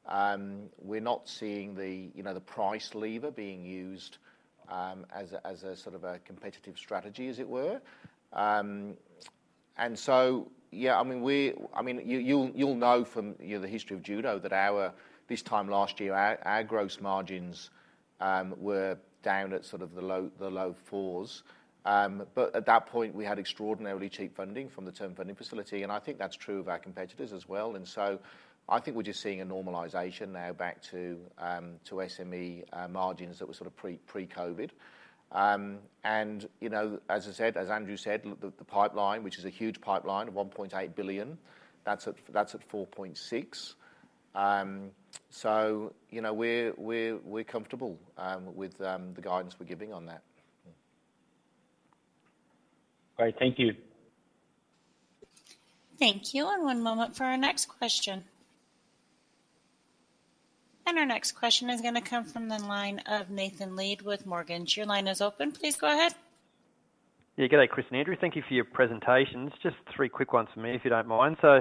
S2: We're not seeing, you know, the price lever being used as a sort of a competitive strategy, as it were. And so, yeah, I mean, you'll know from, you know, the history of Judo that our... This time last year, our gross margins were down at sort of the low fours. But at that point, we had extraordinarily cheap funding Term Funding Facility, and i think that's true of our competitors as well. I think we're just seeing a normalization now back to SME margins that were sort of pre-COVID. You know, as I said, as Andrew said, the pipeline, which is a huge pipeline, 1.8 billion, that's at 4.6%. You know, we're comfortable with the guidance we're giving on that.
S10: Great, thank you.
S4: Thank you, and one moment for our next question. And our next question is gonna come from the line of Nathan Lead with Morgans. Your line is open. Please go ahead.
S11: Yeah, good day, Chris and Andrew. Thank you for your presentations. Just three quick ones from me, if you don't mind. So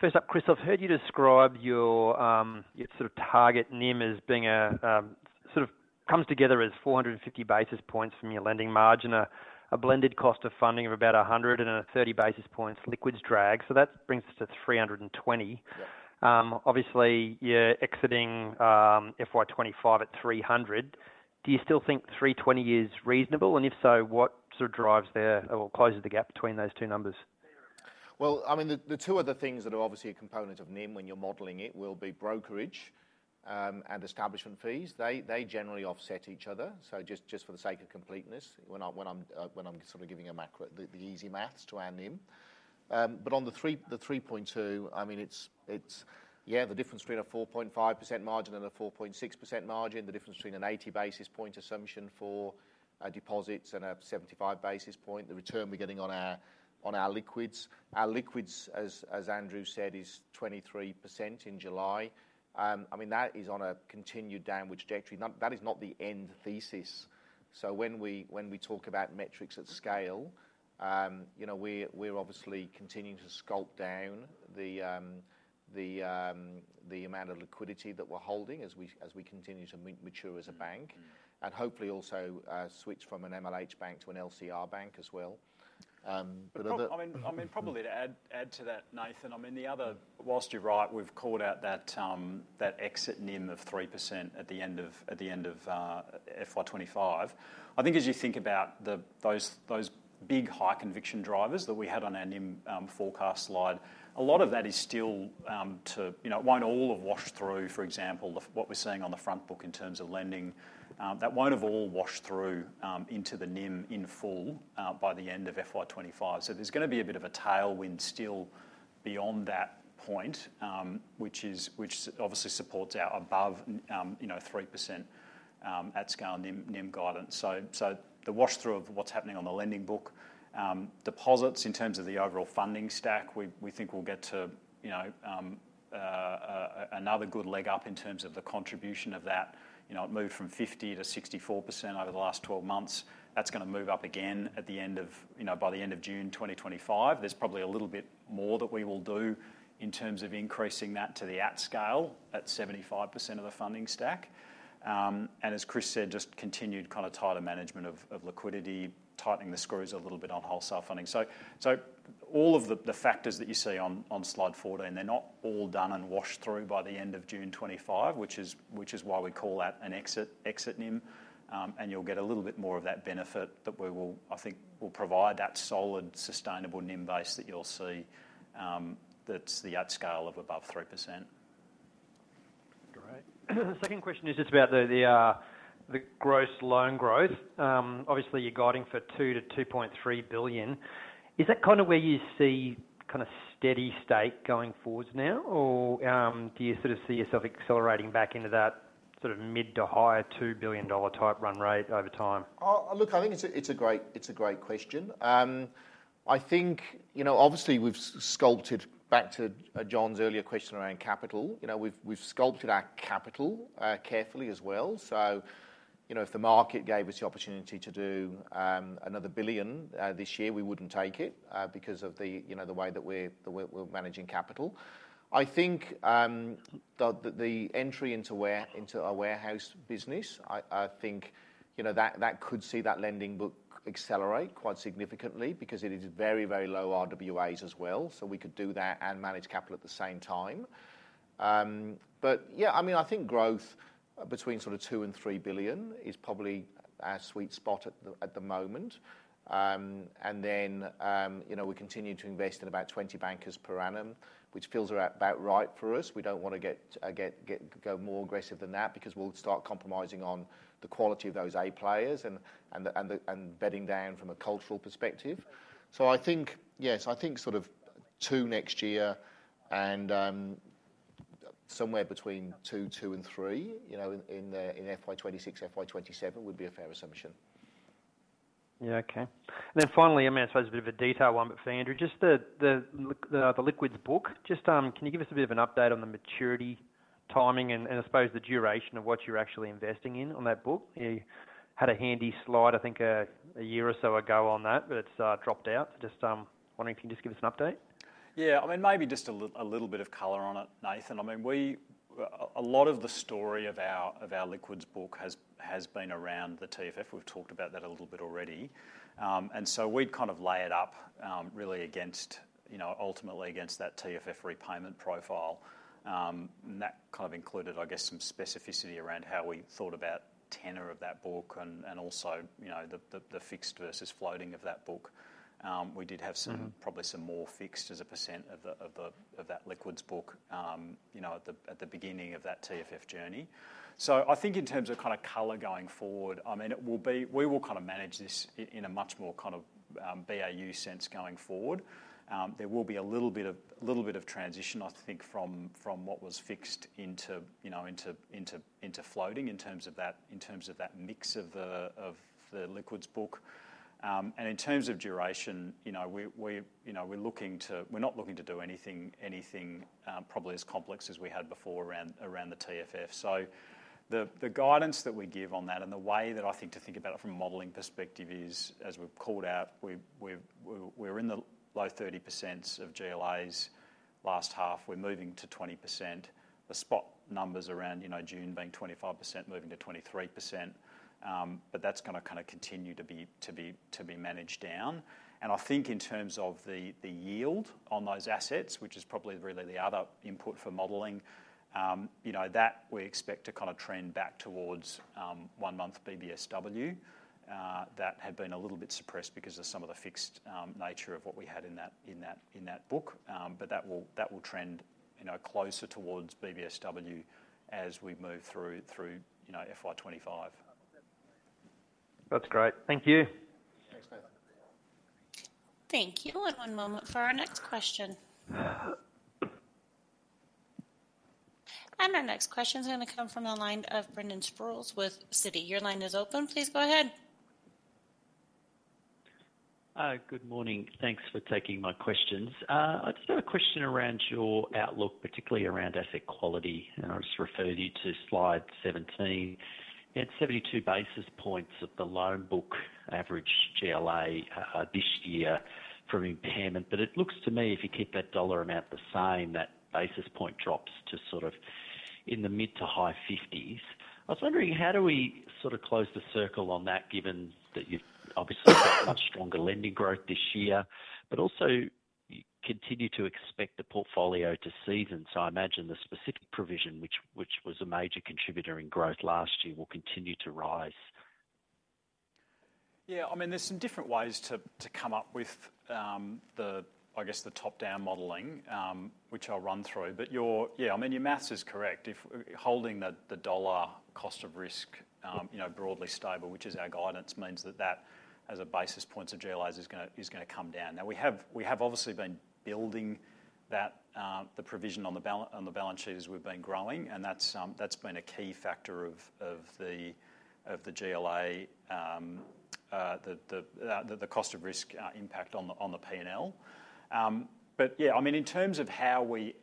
S11: first up, Chris, I've heard you describe your sort of target NIM as being a sort of comes together as four hundred and fifty basis points from your lending margin, a blended cost of funding of about a hundred and thirty basis points, liquids drag. So that brings us to three hundred and twenty.
S2: Yeah.
S11: Obviously, you're exiting FY twenty-five at three hundred. Do you still think three twenty is reasonable? And if so, what sort of drives the or closes the gap between those two numbers?
S2: I mean, the two other things that are obviously a component of NIM when you're modeling it will be brokerage and establishment fees. They generally offset each other. So just for the sake of completeness, when I'm sort of giving a macro, the easy maths to our NIM. But on the 3.2, I mean, it's yeah, the difference between a 4.5% margin and a 4.6% margin, the difference between an 80 basis point assumption for deposits and a 75 basis point, the return we're getting on our liquids. Our liquids, as Andrew said, is 23% in July. I mean, that is on a continued downward trajectory. That is not the end thesis. So when we talk about metrics at scale, you know, we're obviously continuing to sculpt down the amount of liquidity that we're holding as we continue to mature as a bank, and hopefully also switch from an MLH bank to an LCR bank as well. But other-
S3: I mean, probably to add to that, Nathan. I mean, the other, while you're right, we've called out that that exit NIM of 3% at the end of FY 2025. I think as you think about those big high conviction drivers that we had on our NIM forecast slide, a lot of that is still to, you know, it won't all have washed through, for example, what we're seeing on the front book in terms of lending. That won't have all washed through into the NIM in full by the end of FY 2025. So there's gonna be a bit of a tailwind still beyond that point, which obviously supports our above, you know, 3% at scale NIM guidance. The wash through of what's happening on the lending book, deposits in terms of the overall funding stack, we think we'll get to, you know, another good leg up in terms of the contribution of that. You know, it moved from 50% to 64% over the last twelve months. That's gonna move up again at the end of, you know, by the end of June 2025. There's probably a little bit more that we will do in terms of increasing that to the at scale, at 75% of the funding stack. And as Chris said, just continued kind of tighter management of liquidity, tightening the screws a little bit on wholesale funding. All of the factors that you see on slide 14, they're not all done and washed through by the end of June 2025, which is why we call that an exit NIM. And you'll get a little bit more of that benefit, but we will, I think, provide that solid, sustainable NIM base that you'll see, that's the at scale of above 3%.
S11: Great. The second question is just about the gross loan growth. Obviously, you're guiding for $2-$2.3 billion. Is that kind of where you see kind of steady state going forward now? Or do you sort of see yourself accelerating back into that sort of mid- to higher $2 billion dollar type run rate over time?
S2: Look, I think it's a great question. I think, you know, obviously, we've referred back to John's earlier question around capital. You know, we've sculpted our capital carefully as well. So, you know, if the market gave us the opportunity to do another $1 billion this year, we wouldn't take it because of the, you know, the way that we're managing capital. I think the entry into our warehouse business, I think, you know, that could see that lending book accelerate quite significantly because it is very low RWAs as well. So we could do that and manage capital at the same time. Yeah, I mean, I think growth between sort of 2 and 3 billion is probably our sweet spot at the moment. And then, you know, we continue to invest in about 20 bankers per annum, which feels about right for us. We don't want to go more aggressive than that because we'll start compromising on the quality of those A players, and the bedding down from a cultural perspective. So I think, yes, I think sort of 2 next year and, somewhere between 2 and 3, you know, in FY 2026, FY 2027 would be a fair assumption.
S11: Yeah, okay. Then finally, I mean, I suppose a bit of a detail one, but for Andrew, just the liquidity book. Just, can you give us a bit of an update on the maturity, timing, and, and I suppose the duration of what you're actually investing in on that book? You had a handy slide, I think, a year or so ago on that, but it's dropped out. Just, wondering if you can just give us an update.
S3: Yeah, I mean, maybe just a little bit of color on it, Nathan. I mean, a lot of the story of our liquidity book has been around the TFF. We've talked about that a little bit already, and so we'd kind of lay it out really against, you know, ultimately against that TFF repayment profile. And that kind of included, I guess, some specificity around how we thought about tenor of that book and also, you know, the fixed versus floating of that book. We did have some-
S11: Mm-hmm...
S3: probably some more fixed as a % of that liquids book, you know, at the beginning of that TFF journey. So I think in terms of kind of color going forward, I mean, it will be we will kind of manage this in a much more kind of BAU sense going forward. There will be a little bit of transition, I think, from what was fixed into, you know, into floating, in terms of that mix of the liquids book. And in terms of duration, you know, we, you know, we're looking to. We're not looking to do anything, probably as complex as we had before around the TFF. So the guidance that we give on that and the way that I think to think about it from a modeling perspective is, as we've called out, we're in the low 30% of GLAs last half, we're moving to 20%. The spot numbers around, you know, June being 25%, moving to 23%. But that's gonna kind of continue to be managed down. And I think in terms of the yield on those assets, which is probably really the other input for modeling, you know, that we expect to kind of trend back towards one month BBSW. That had been a little bit suppressed because of some of the fixed nature of what we had in that book. But that will trend, you know, closer towards BBSW as we move through, you know, FY twenty-five.
S11: That's great. Thank you.
S2: Thanks, Nathan.
S4: Thank you. One moment for our next question. And our next question is gonna come from the line of Brendan Sproules with Citi. Your line is open. Please go ahead.
S12: Good morning. Thanks for taking my questions. I just have a question around your outlook, particularly around asset quality, and I'll just refer you to slide 17. You had 72 basis points of the loan book average GLA this year from impairment. But it looks to me, if you keep that dollar amount the same, that basis point drops to sort of in the mid- to high 50s. I was wondering, how do we sort of close the circle on that, given that you've obviously got much stronger lending growth this year, but also you continue to expect the portfolio to season? So I imagine the specific provision, which was a major contributor in growth last year, will continue to rise.
S3: Yeah, I mean, there's some different ways to come up with, I guess, the top-down modeling, which I'll run through. But your - yeah, I mean, your math is correct. If holding the dollar cost of risk, you know, broadly stable, which is our guidance, means that that, as basis points of GLAs, is gonna come down. Now, we have obviously been building that, the provision on the balance sheet as we've been growing, and that's been a key factor of the GLA, the cost of risk impact on the P&L. But yeah, I mean, in terms of how we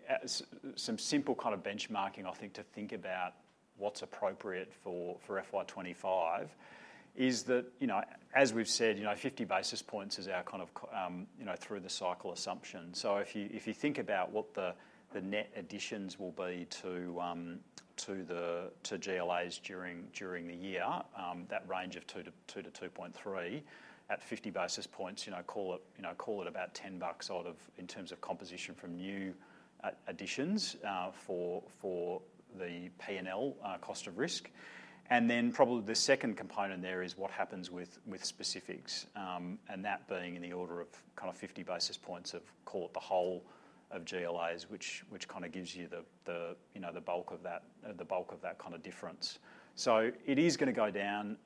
S3: some simple kind of benchmarking, I think, to think about what's appropriate for FY 2025 is that, you know, as we've said, you know, 50 basis points is our kind of, you know, through the cycle assumption. So if you think about what the net additions will be to the GLAs during the year, that range of 2 to 2.3 at 50 basis points, you know, call it about ten bucks in terms of composition from new additions for the P&L cost of risk. And then probably the second component there is what happens with specifics, and that being in the order of kind of fifty basis points of, call it, the whole of GLAs, which kind of gives you the, you know, the bulk of that, the bulk of that kind of difference. So it is gonna go down,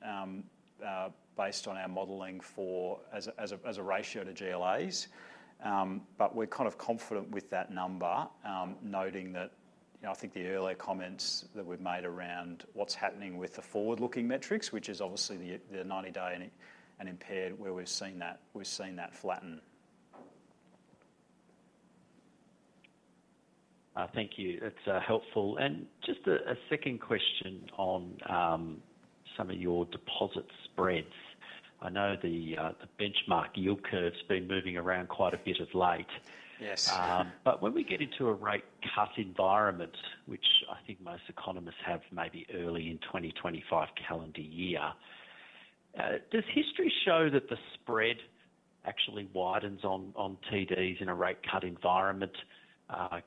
S3: based on our modeling for as a ratio to GLAs, but we're kind of confident with that number, noting that, you know, I think the earlier comments that we've made around what's happening with the forward-looking metrics, which is obviously the ninety-day and impaired, where we've seen that flatten.
S12: Thank you. That's helpful. And just a second question on some of your deposit spreads. I know the benchmark yield curve's been moving around quite a bit of late.
S3: Yes.
S12: But when we get into a rate cut environment, which I think most economists have maybe early in twenty twenty-five calendar year, does history show that the spread actually widens on TDs in a rate cut environment,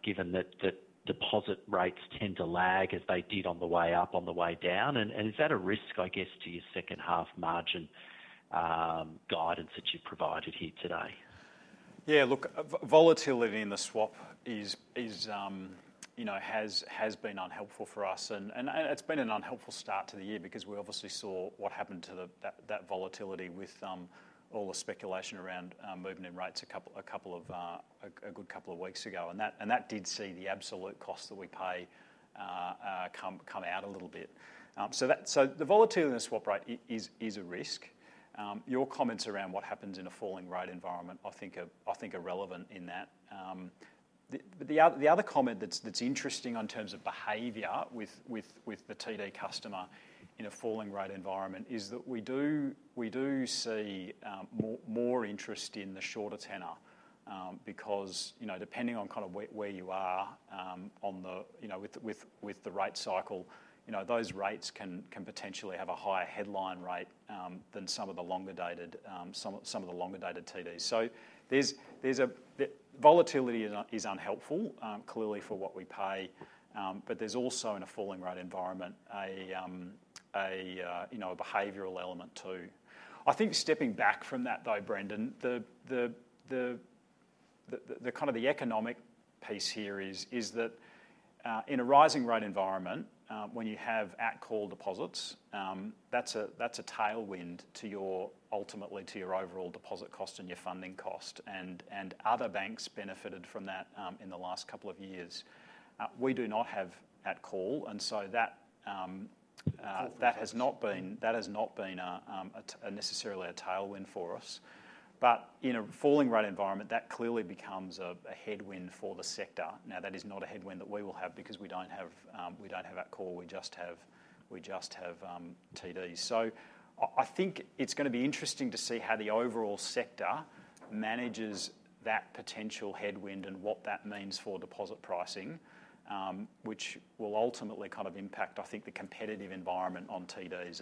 S12: given that the deposit rates tend to lag as they did on the way up, on the way down? And is that a risk, I guess, to your second half margin guidance that you've provided here today?
S3: Yeah, look, volatility in the swap is, you know, has been unhelpful for us, and it's been an unhelpful start to the year because we obviously saw what happened to that volatility with all the speculation around movement in rates a good couple of weeks ago. And that did see the absolute cost that we pay come out a little bit. So the volatility in the swap rate is a risk. Your comments around what happens in a falling rate environment, I think are relevant in that. The other comment that's interesting in terms of behavior with the TD customer in a falling rate environment is that we do see more interest in the shorter tenor, because, you know, depending on kind of where you are, you know, with the rate cycle, you know, those rates can potentially have a higher headline rate than some of the longer dated TDs. Volatility is unhelpful, clearly for what we pay, but there's also, in a falling rate environment, a you know behavioral element, too. I think stepping back from that, though, Brendan, the kind of the economic piece here is that in a rising rate environment, when you have at-call deposits, that's a tailwind to your-- ultimately, to your overall deposit cost and your funding cost, and other banks benefited from that in the last couple of years. We do not have at call, and so that has not been a necessarily a tailwind for us. But in a falling rate environment, that clearly becomes a headwind for the sector. Now, that is not a headwind that we will have because we don't have at call, we just have TDs. I think it's gonna be interesting to see how the overall sector manages that potential headwind and what that means for deposit pricing, which will ultimately kind of impact, I think, the competitive environment on TDs.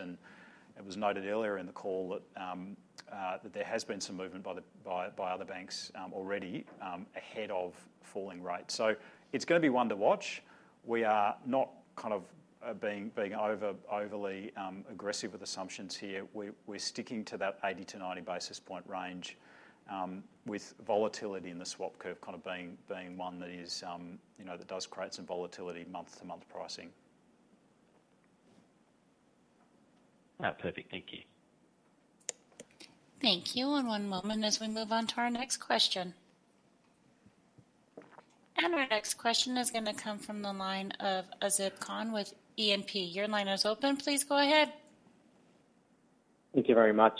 S3: It was noted earlier in the call that there has been some movement by the other banks already ahead of falling rates. It's gonna be one to watch. We are not kind of being overly aggressive with assumptions here. We're sticking to that 80-90 basis point range with volatility in the swap curve kind of being one that is, you know, that does create some volatility month-to-month pricing.
S12: Perfect. Thank you.
S4: Thank you, and one moment as we move on to our next question. And our next question is gonna come from the line of Azib Khan with E&P. Your line is open. Please go ahead....
S13: Thank you very much.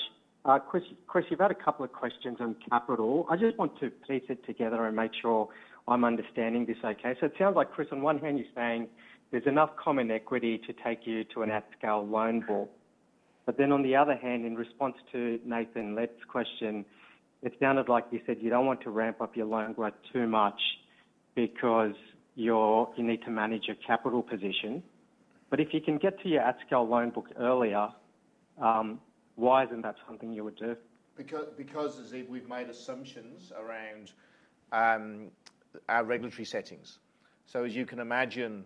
S13: Chris, you've had a couple of questions on capital. I just want to piece it together and make sure I'm understanding this okay. So it sounds like, Chris, on one hand, you're saying there's enough common equity to take you to an at-scale loan book. But then on the other hand, in response to Nathan Lead's question, it sounded like you said you don't want to ramp up your loan growth too much because you're, you need to manage your capital position. But if you can get to your at-scale loan book earlier, why isn't that something you would do?
S2: Because, Azib, we've made assumptions around, our regulatory settings. So as you can imagine,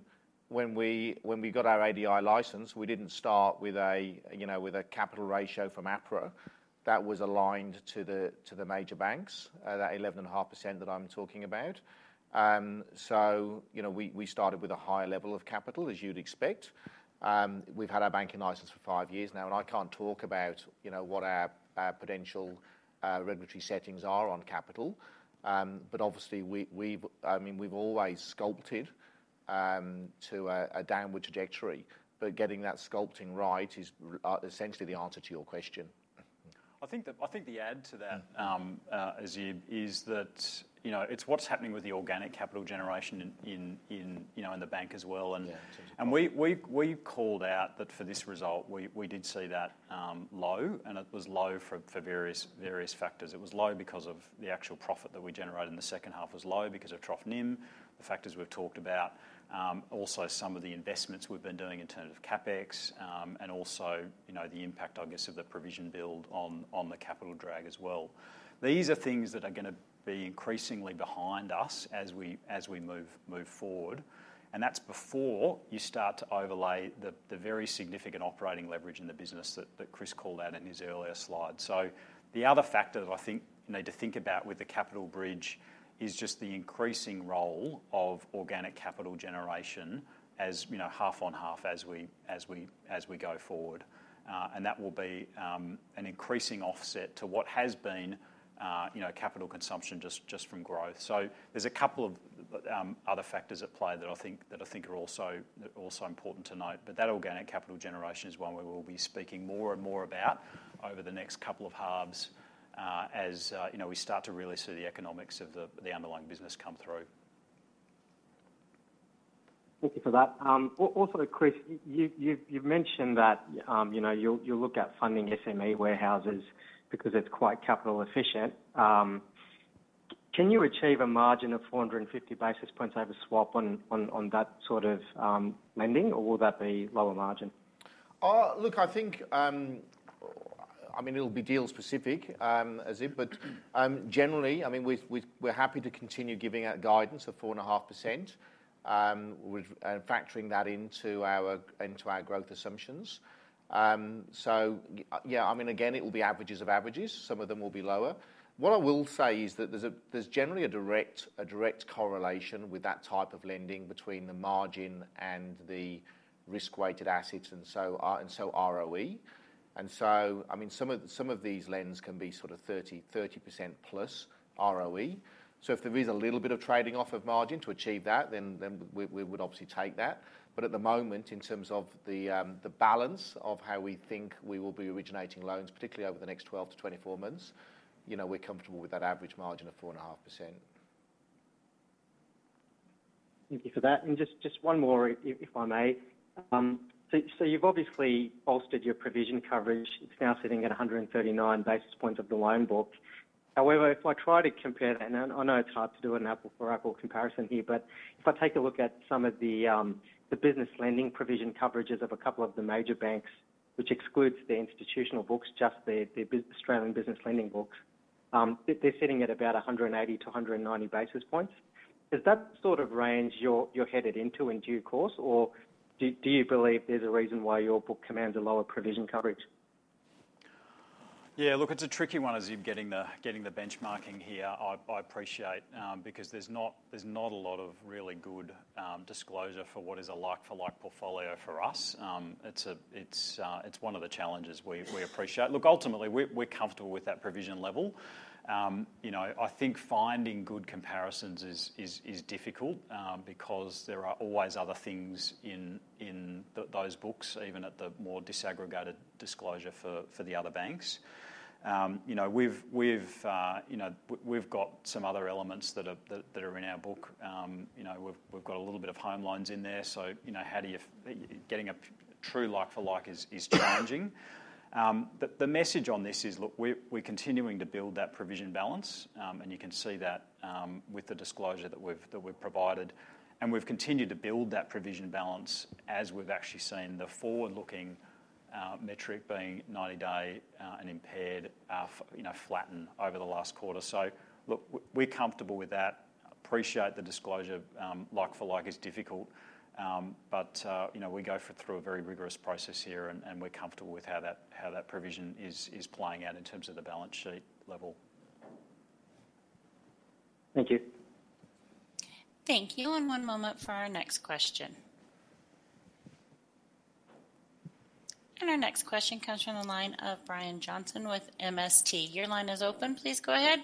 S2: when we got our ADI license, we didn't start with a, you know, with a capital ratio from APRA that was aligned to the, to the major banks, that 11.5% that I'm talking about. So, you know, we started with a higher level of capital, as you'd expect. We've had our banking license for five years now, and I can't talk about, you know, what our potential, regulatory settings are on capital. But obviously, we, we've, I mean, we've always sculpted, to a downward trajectory, but getting that sculpting right is essentially the answer to your question.
S3: I think that adds to that, Azib, is that, you know, it's what's happening with the organic capital generation in the bank as well, and-
S2: Yeah.
S3: We called out that for this result, we did see that low, and it was low for various factors. It was low because of the actual profit that we generated, and the second half was low because of trough NIM, the factors we've talked about, also some of the investments we've been doing in terms of CapEx, and also, you know, the impact, I guess, of the provision build on the capital drag as well. These are things that are gonna be increasingly behind us as we move forward, and that's before you start to overlay the very significant operating leverage in the business that Chris called out in his earlier slide. The other factor that I think you need to think about with the capital bridge is just the increasing role of organic capital generation as, you know, half on half as we go forward. And that will be an increasing offset to what has been, you know, capital consumption just from growth. There is a couple of other factors at play that I think are also important to note, but that organic capital generation is one we will be speaking more and more about over the next couple of halves as, you know, we start to really see the economics of the underlying business come through.
S13: Thank you for that. Also, Chris, you've mentioned that, you know, you'll look at funding SME warehouses because it's quite capital efficient. Can you achieve a margin of four hundred and fifty basis points over swap on that sort of lending, or will that be lower margin?
S2: Look, I think, I mean, it'll be deal specific, Azib, but generally, I mean, we're happy to continue giving out guidance of 4.5%, with and factoring that into our growth assumptions. So yeah, I mean, again, it will be averages of averages. Some of them will be lower. What I will say is that there's generally a direct correlation with that type of lending between the margin and the risk-weighted assets, and so ROE. And so, I mean, some of these loans can be sort of 30% plus ROE. So if there is a little bit of trading off of margin to achieve that, then we would obviously take that. But at the moment, in terms of the balance of how we think we will be originating loans, particularly over the next 12-24 months, you know, we're comfortable with that average margin of 4.5%.
S13: Thank you for that. Just one more, if I may. You've obviously bolstered your provision coverage. It's now sitting at one hundred and thirty-nine basis points of the loan book. However, if I try to compare that, and I know it's hard to do an apple-for-apple comparison here, but if I take a look at some of the business lending provision coverages of a couple of the major banks, which excludes the institutional books, just the Australian business lending books, they're sitting at about one hundred and eighty to one hundred and ninety basis points. Is that sort of range you're headed into in due course, or do you believe there's a reason why your book commands a lower provision coverage?
S3: Yeah, look, it's a tricky one, Azib, getting the benchmarking here. I appreciate, because there's not a lot of really good disclosure for what is a like-for-like portfolio for us. It's one of the challenges we appreciate. Look, ultimately, we're comfortable with that provision level. You know, I think finding good comparisons is difficult, because there are always other things in those books, even at the more disaggregated disclosure for the other banks. You know, we've got some other elements that are in our book. You know, we've got a little bit of home loans in there, so, you know, how do you... Getting a true like for like is challenging. But the message on this is, look, we're continuing to build that provision balance, and you can see that with the disclosure that we've provided, and we've continued to build that provision balance as we've actually seen the forward-looking metric being ninety-day and impaired, you know, flatten over the last quarter. So look, we're comfortable with that. Appreciate the disclosure, like for like is difficult, but you know, we go through a very rigorous process here, and we're comfortable with how that provision is playing out in terms of the balance sheet level.
S13: Thank you.
S4: Thank you, and one moment for our next question. And our next question comes from the line of Brian Johnson with MST. Your line is open. Please go ahead. ...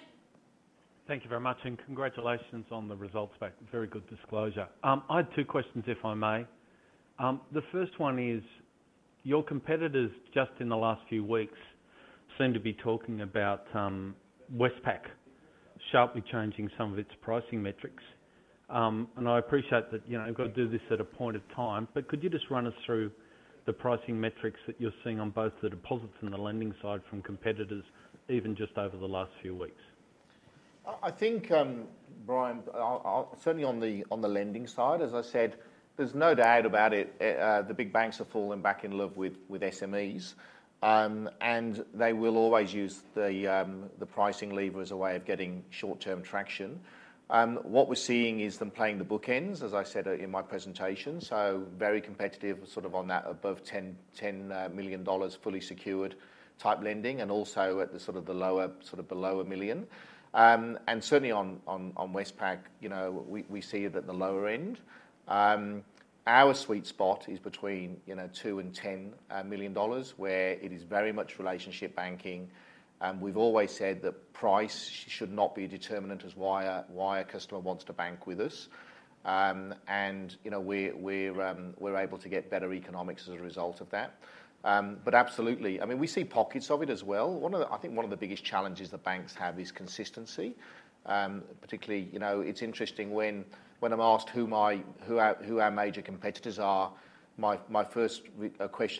S14: Thank you very much, and congratulations on the results pack. Very good disclosure. I had two questions, if I may. The first one is, your competitors, just in the last few weeks, seem to be talking about, Westpac sharply changing some of its pricing metrics. And I appreciate that, you know, you've got to do this at a point of time, but could you just run us through the pricing metrics that you're seeing on both the deposits and the lending side from competitors, even just over the last few weeks?
S2: I think, Brian, I'll certainly, on the lending side, as I said, there's no doubt about it, the big banks are falling back in love with SMEs, and they will always use the pricing lever as a way of getting short-term traction. What we're seeing is them playing the bookends, as I said in my presentation, so very competitive sort of on that above 10 million dollars, fully secured type lending, and also at the lower sort of below 1 million, and certainly on Westpac, you know, we see it at the lower end. Our sweet spot is between, you know, $2 and $10 million, where it is very much relationship banking, and we've always said that price should not be a determinant as why a customer wants to bank with us, and, you know, we're able to get better economics as a result of that, but absolutely, I mean, we see pockets of it as well. One of the, I think one of the biggest challenges the banks have is consistency. Particularly, you know, it's interesting when I'm asked who our major competitors are, my first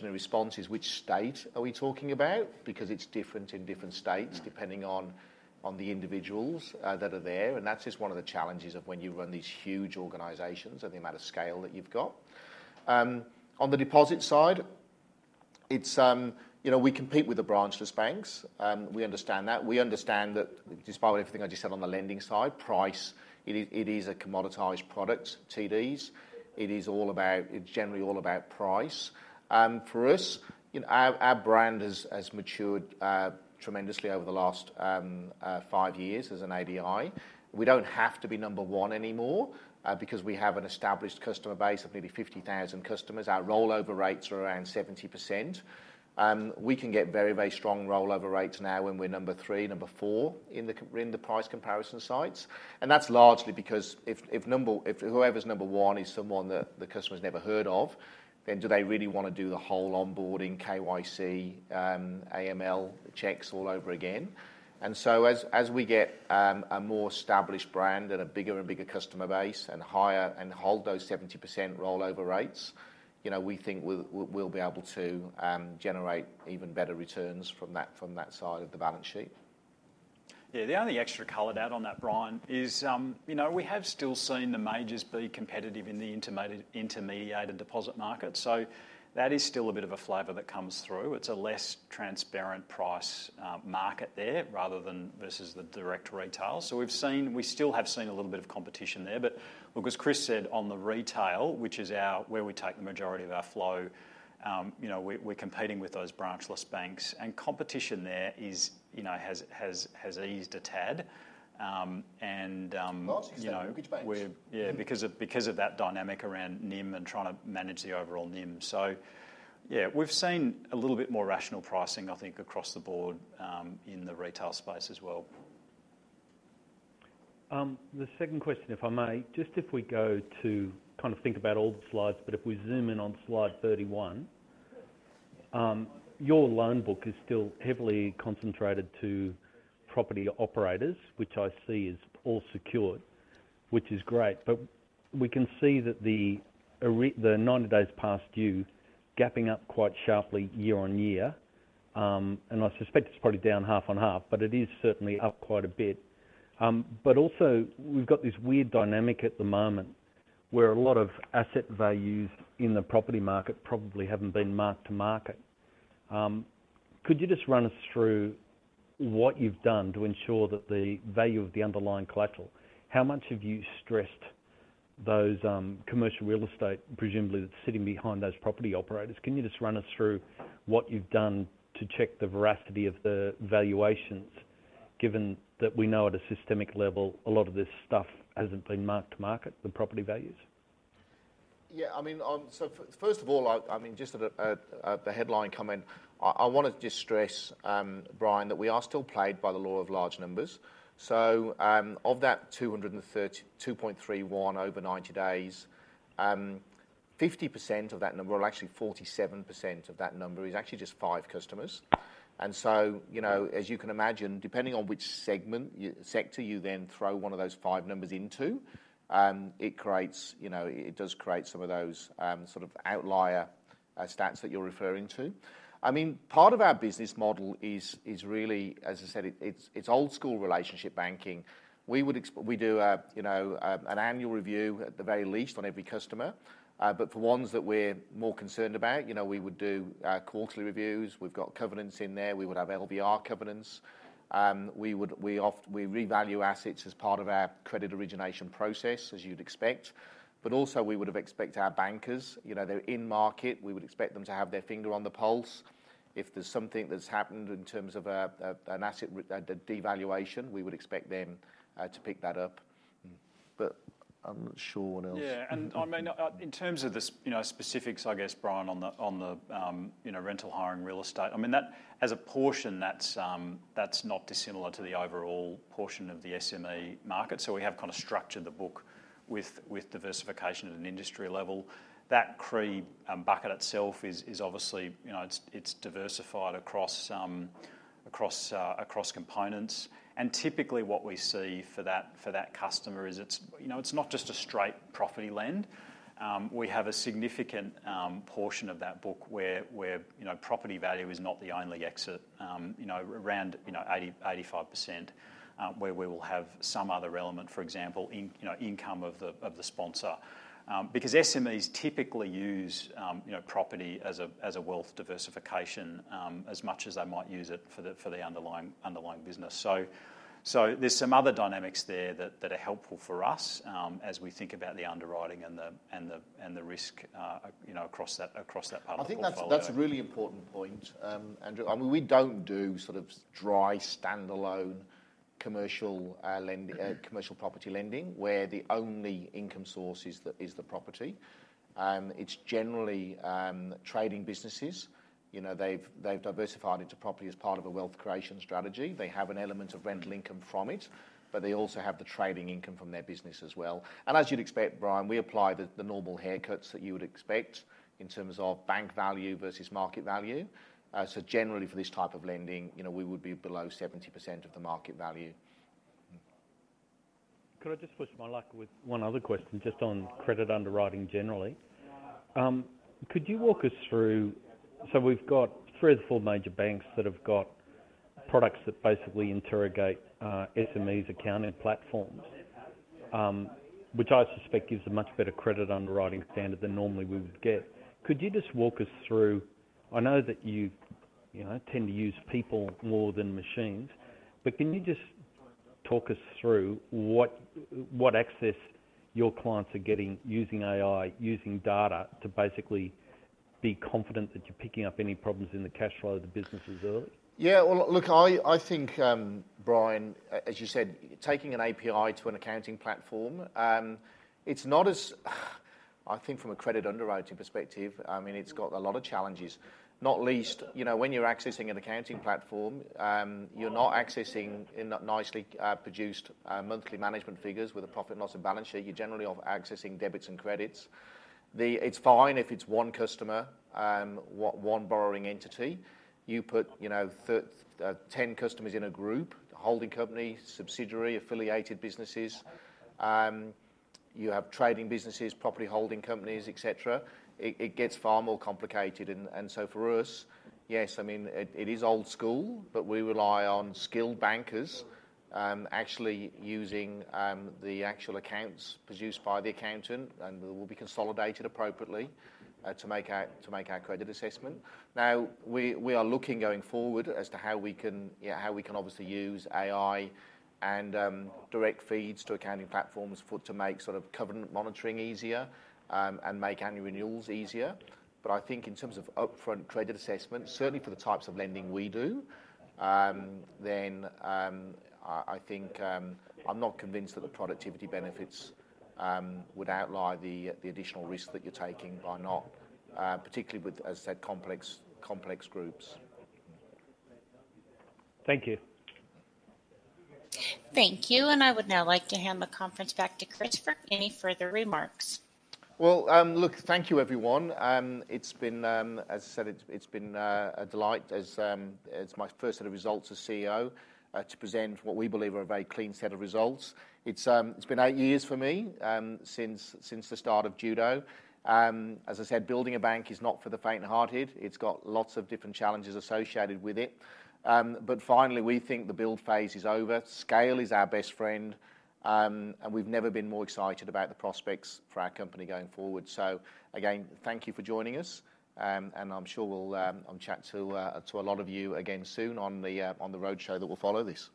S2: response is, which state are we talking about? Because it's different in different states.
S14: Mm.
S2: depending on the individuals that are there, and that's just one of the challenges of when you run these huge organizations and the amount of scale that you've got. On the deposit side, it's, you know, we compete with the branchless banks, and we understand that. We understand that despite everything I just said on the lending side, price, it is, it is a commoditized product, TDs. It is all about, it's generally all about price. For us, you know, our brand has matured tremendously over the last five years as an ADI. We don't have to be number one anymore, because we have an established customer base of maybe 50,000 customers. Our rollover rates are around 70%. And we can get very, very strong rollover rates now when we're number three, number four, in the price comparison sites. And that's largely because if whoever's number one is someone that the customer's never heard of, then do they really want to do the whole onboarding, KYC, AML checks all over again? And so as we get a more established brand and a bigger and bigger customer base and higher, and hold those 70% rollover rates, you know, we think we'll be able to generate even better returns from that, from that side of the balance sheet.
S3: Yeah, the only extra color to add on that, Brian, is, you know, we have still seen the majors be competitive in the intermediated deposit market, so that is still a bit of a flavor that comes through. It's a less transparent pricing market there, rather than versus the direct retail. So we've seen, we still have seen a little bit of competition there, but like as Chris said, on the retail, which is our, where we take the majority of our flow, you know, we're competing with those branchless banks, and competition there is, you know, has eased a tad. And, you know-
S2: Mortgage banks.
S3: Yeah, because of that dynamic around NIM and trying to manage the overall NIM. So yeah, we've seen a little bit more rational pricing, I think, across the board, in the retail space as well.
S14: The second question, if I may, just if we go to kind of think about all the slides, but if we zoom in on slide 31, your loan book is still heavily concentrated to property operators, which I see is all secured, which is great. But we can see that the 90 days past due gapping up quite sharply year on year, and I suspect it's probably down half on half, but it is certainly up quite a bit. But also, we've got this weird dynamic at the moment where a lot of asset values in the property market probably haven't been marked to market. Could you just run us through what you've done to ensure that the value of the underlying collateral? How much have you stressed those, commercial real estate, presumably sitting behind those property operators? Can you just run us through what you've done to check the veracity of the valuations, given that we know at a systemic level, a lot of this stuff hasn't been marked to market, the property values?
S2: Yeah, I mean, so first of all, I mean, just as a headline comment, I wanted to just stress, Brian, that we are still plagued by the law of large numbers. So, of that 232.31 over ninety days, 50% of that number, or actually 47% of that number, is actually just five customers. And so, you know, as you can imagine, depending on which segment, sector you then throw one of those five numbers into, it creates, you know, it does create some of those sort of outlier stats that you're referring to. I mean, part of our business model is really, as I said, it's old school relationship banking. We do, you know, an annual review, at the very least, on every customer. But for ones that we're more concerned about, you know, we would do quarterly reviews. We've got covenants in there. We would have LVR covenants. We would revalue assets as part of our credit origination process, as you'd expect. But also, we would expect our bankers, you know, they're in market, we would expect them to have their finger on the pulse. If there's something that's happened in terms of an asset revaluation, we would expect them to pick that up. But I'm not sure what else.
S3: Yeah, and I mean, in terms of the, you know, specifics, I guess, Brian, on the, on the, you know, Rental, Hiring and Real Estate, I mean, that as a portion, that's, that's not dissimilar to the overall portion of the SME market. So we have kinda structured the book with diversification at an industry level. That CRE bucket itself is obviously, you know, it's diversified across components. And typically, what we see for that customer is it's, you know, it's not just a straight property lend. We have a significant portion of that book where, you know, property value is not the only exit, you know, around 80-85%, where we will have some other element, for example, in, you know, income of the sponsor. Because SMEs typically use, you know, property as a wealth diversification, as much as they might use it for the underlying business. So there's some other dynamics there that are helpful for us, as we think about the underwriting and the risk, you know, across that part of the portfolio.
S2: I think that's, that's a really important point, Andrew. I mean, we don't do sort of dry, standalone commercial property lending, where the only income source is the, is the property. It's generally trading businesses. You know, they've, they've diversified into property as part of a wealth creation strategy. They have an element of rental income from it, but they also have the trading income from their business as well. And as you'd expect, Brian, we apply the, the normal haircuts that you would expect in terms of bank value versus market value. So generally, for this type of lending, you know, we would be below 70% of the market value.
S14: Could I just push my luck with one other question, just on credit underwriting generally? Could you walk us through... So we've got three or four major banks that have got products that basically interrogate SMEs accounting platforms, which I suspect gives a much better credit underwriting standard than normally we would get. Could you just walk us through. I know that you know tend to use people more than machines, but can you just talk us through what access your clients are getting using AI, using data, to basically be confident that you're picking up any problems in the cash flow of the businesses early?
S2: Yeah, well, look, I think, Brian, as you said, taking an API to an accounting platform, it's not as, I think from a credit underwriting perspective, I mean, it's got a lot of challenges, not least, you know, when you're accessing an accounting platform, you're not accessing nicely produced monthly management figures with a profit and loss and balance sheet. You're generally are accessing debits and credits. It's fine if it's one customer, one borrowing entity. You put, you know, ten customers in a group, holding company, subsidiary, affiliated businesses, you have trading businesses, property holding companies, et cetera, it gets far more complicated. For us, yes, I mean, it is old school, but we rely on skilled bankers, actually using the actual accounts produced by the accountant, and will be consolidated appropriately, to make our credit assessment. Now, we are looking going forward as to how we can obviously use AI and direct feeds to accounting platforms to make covenant monitoring easier, and make annual renewals easier. But I think in terms of upfront credit assessment, certainly for the types of lending we do, I think I'm not convinced that the productivity benefits would outweigh the additional risk that you're taking by not, particularly with, as I said, complex groups.
S14: Thank you.
S4: Thank you, and I would now like to hand the conference back to Chris for any further remarks.
S2: Well, look, thank you, everyone. It's been, as I said, a delight as my first set of results as CEO to present what we believe are a very clean set of results. It's been eight years for me since the start of Judo. As I said, building a bank is not for the faint-hearted. It's got lots of different challenges associated with it, but finally, we think the build phase is over. Scale is our best friend, and we've never been more excited about the prospects for our company going forward, so again, thank you for joining us, and I'm sure I'll chat to a lot of you again soon on the roadshow that will follow this.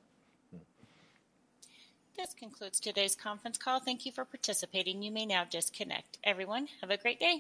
S4: This concludes today's conference call. Thank you for participating. You may now disconnect. Everyone, have a great day.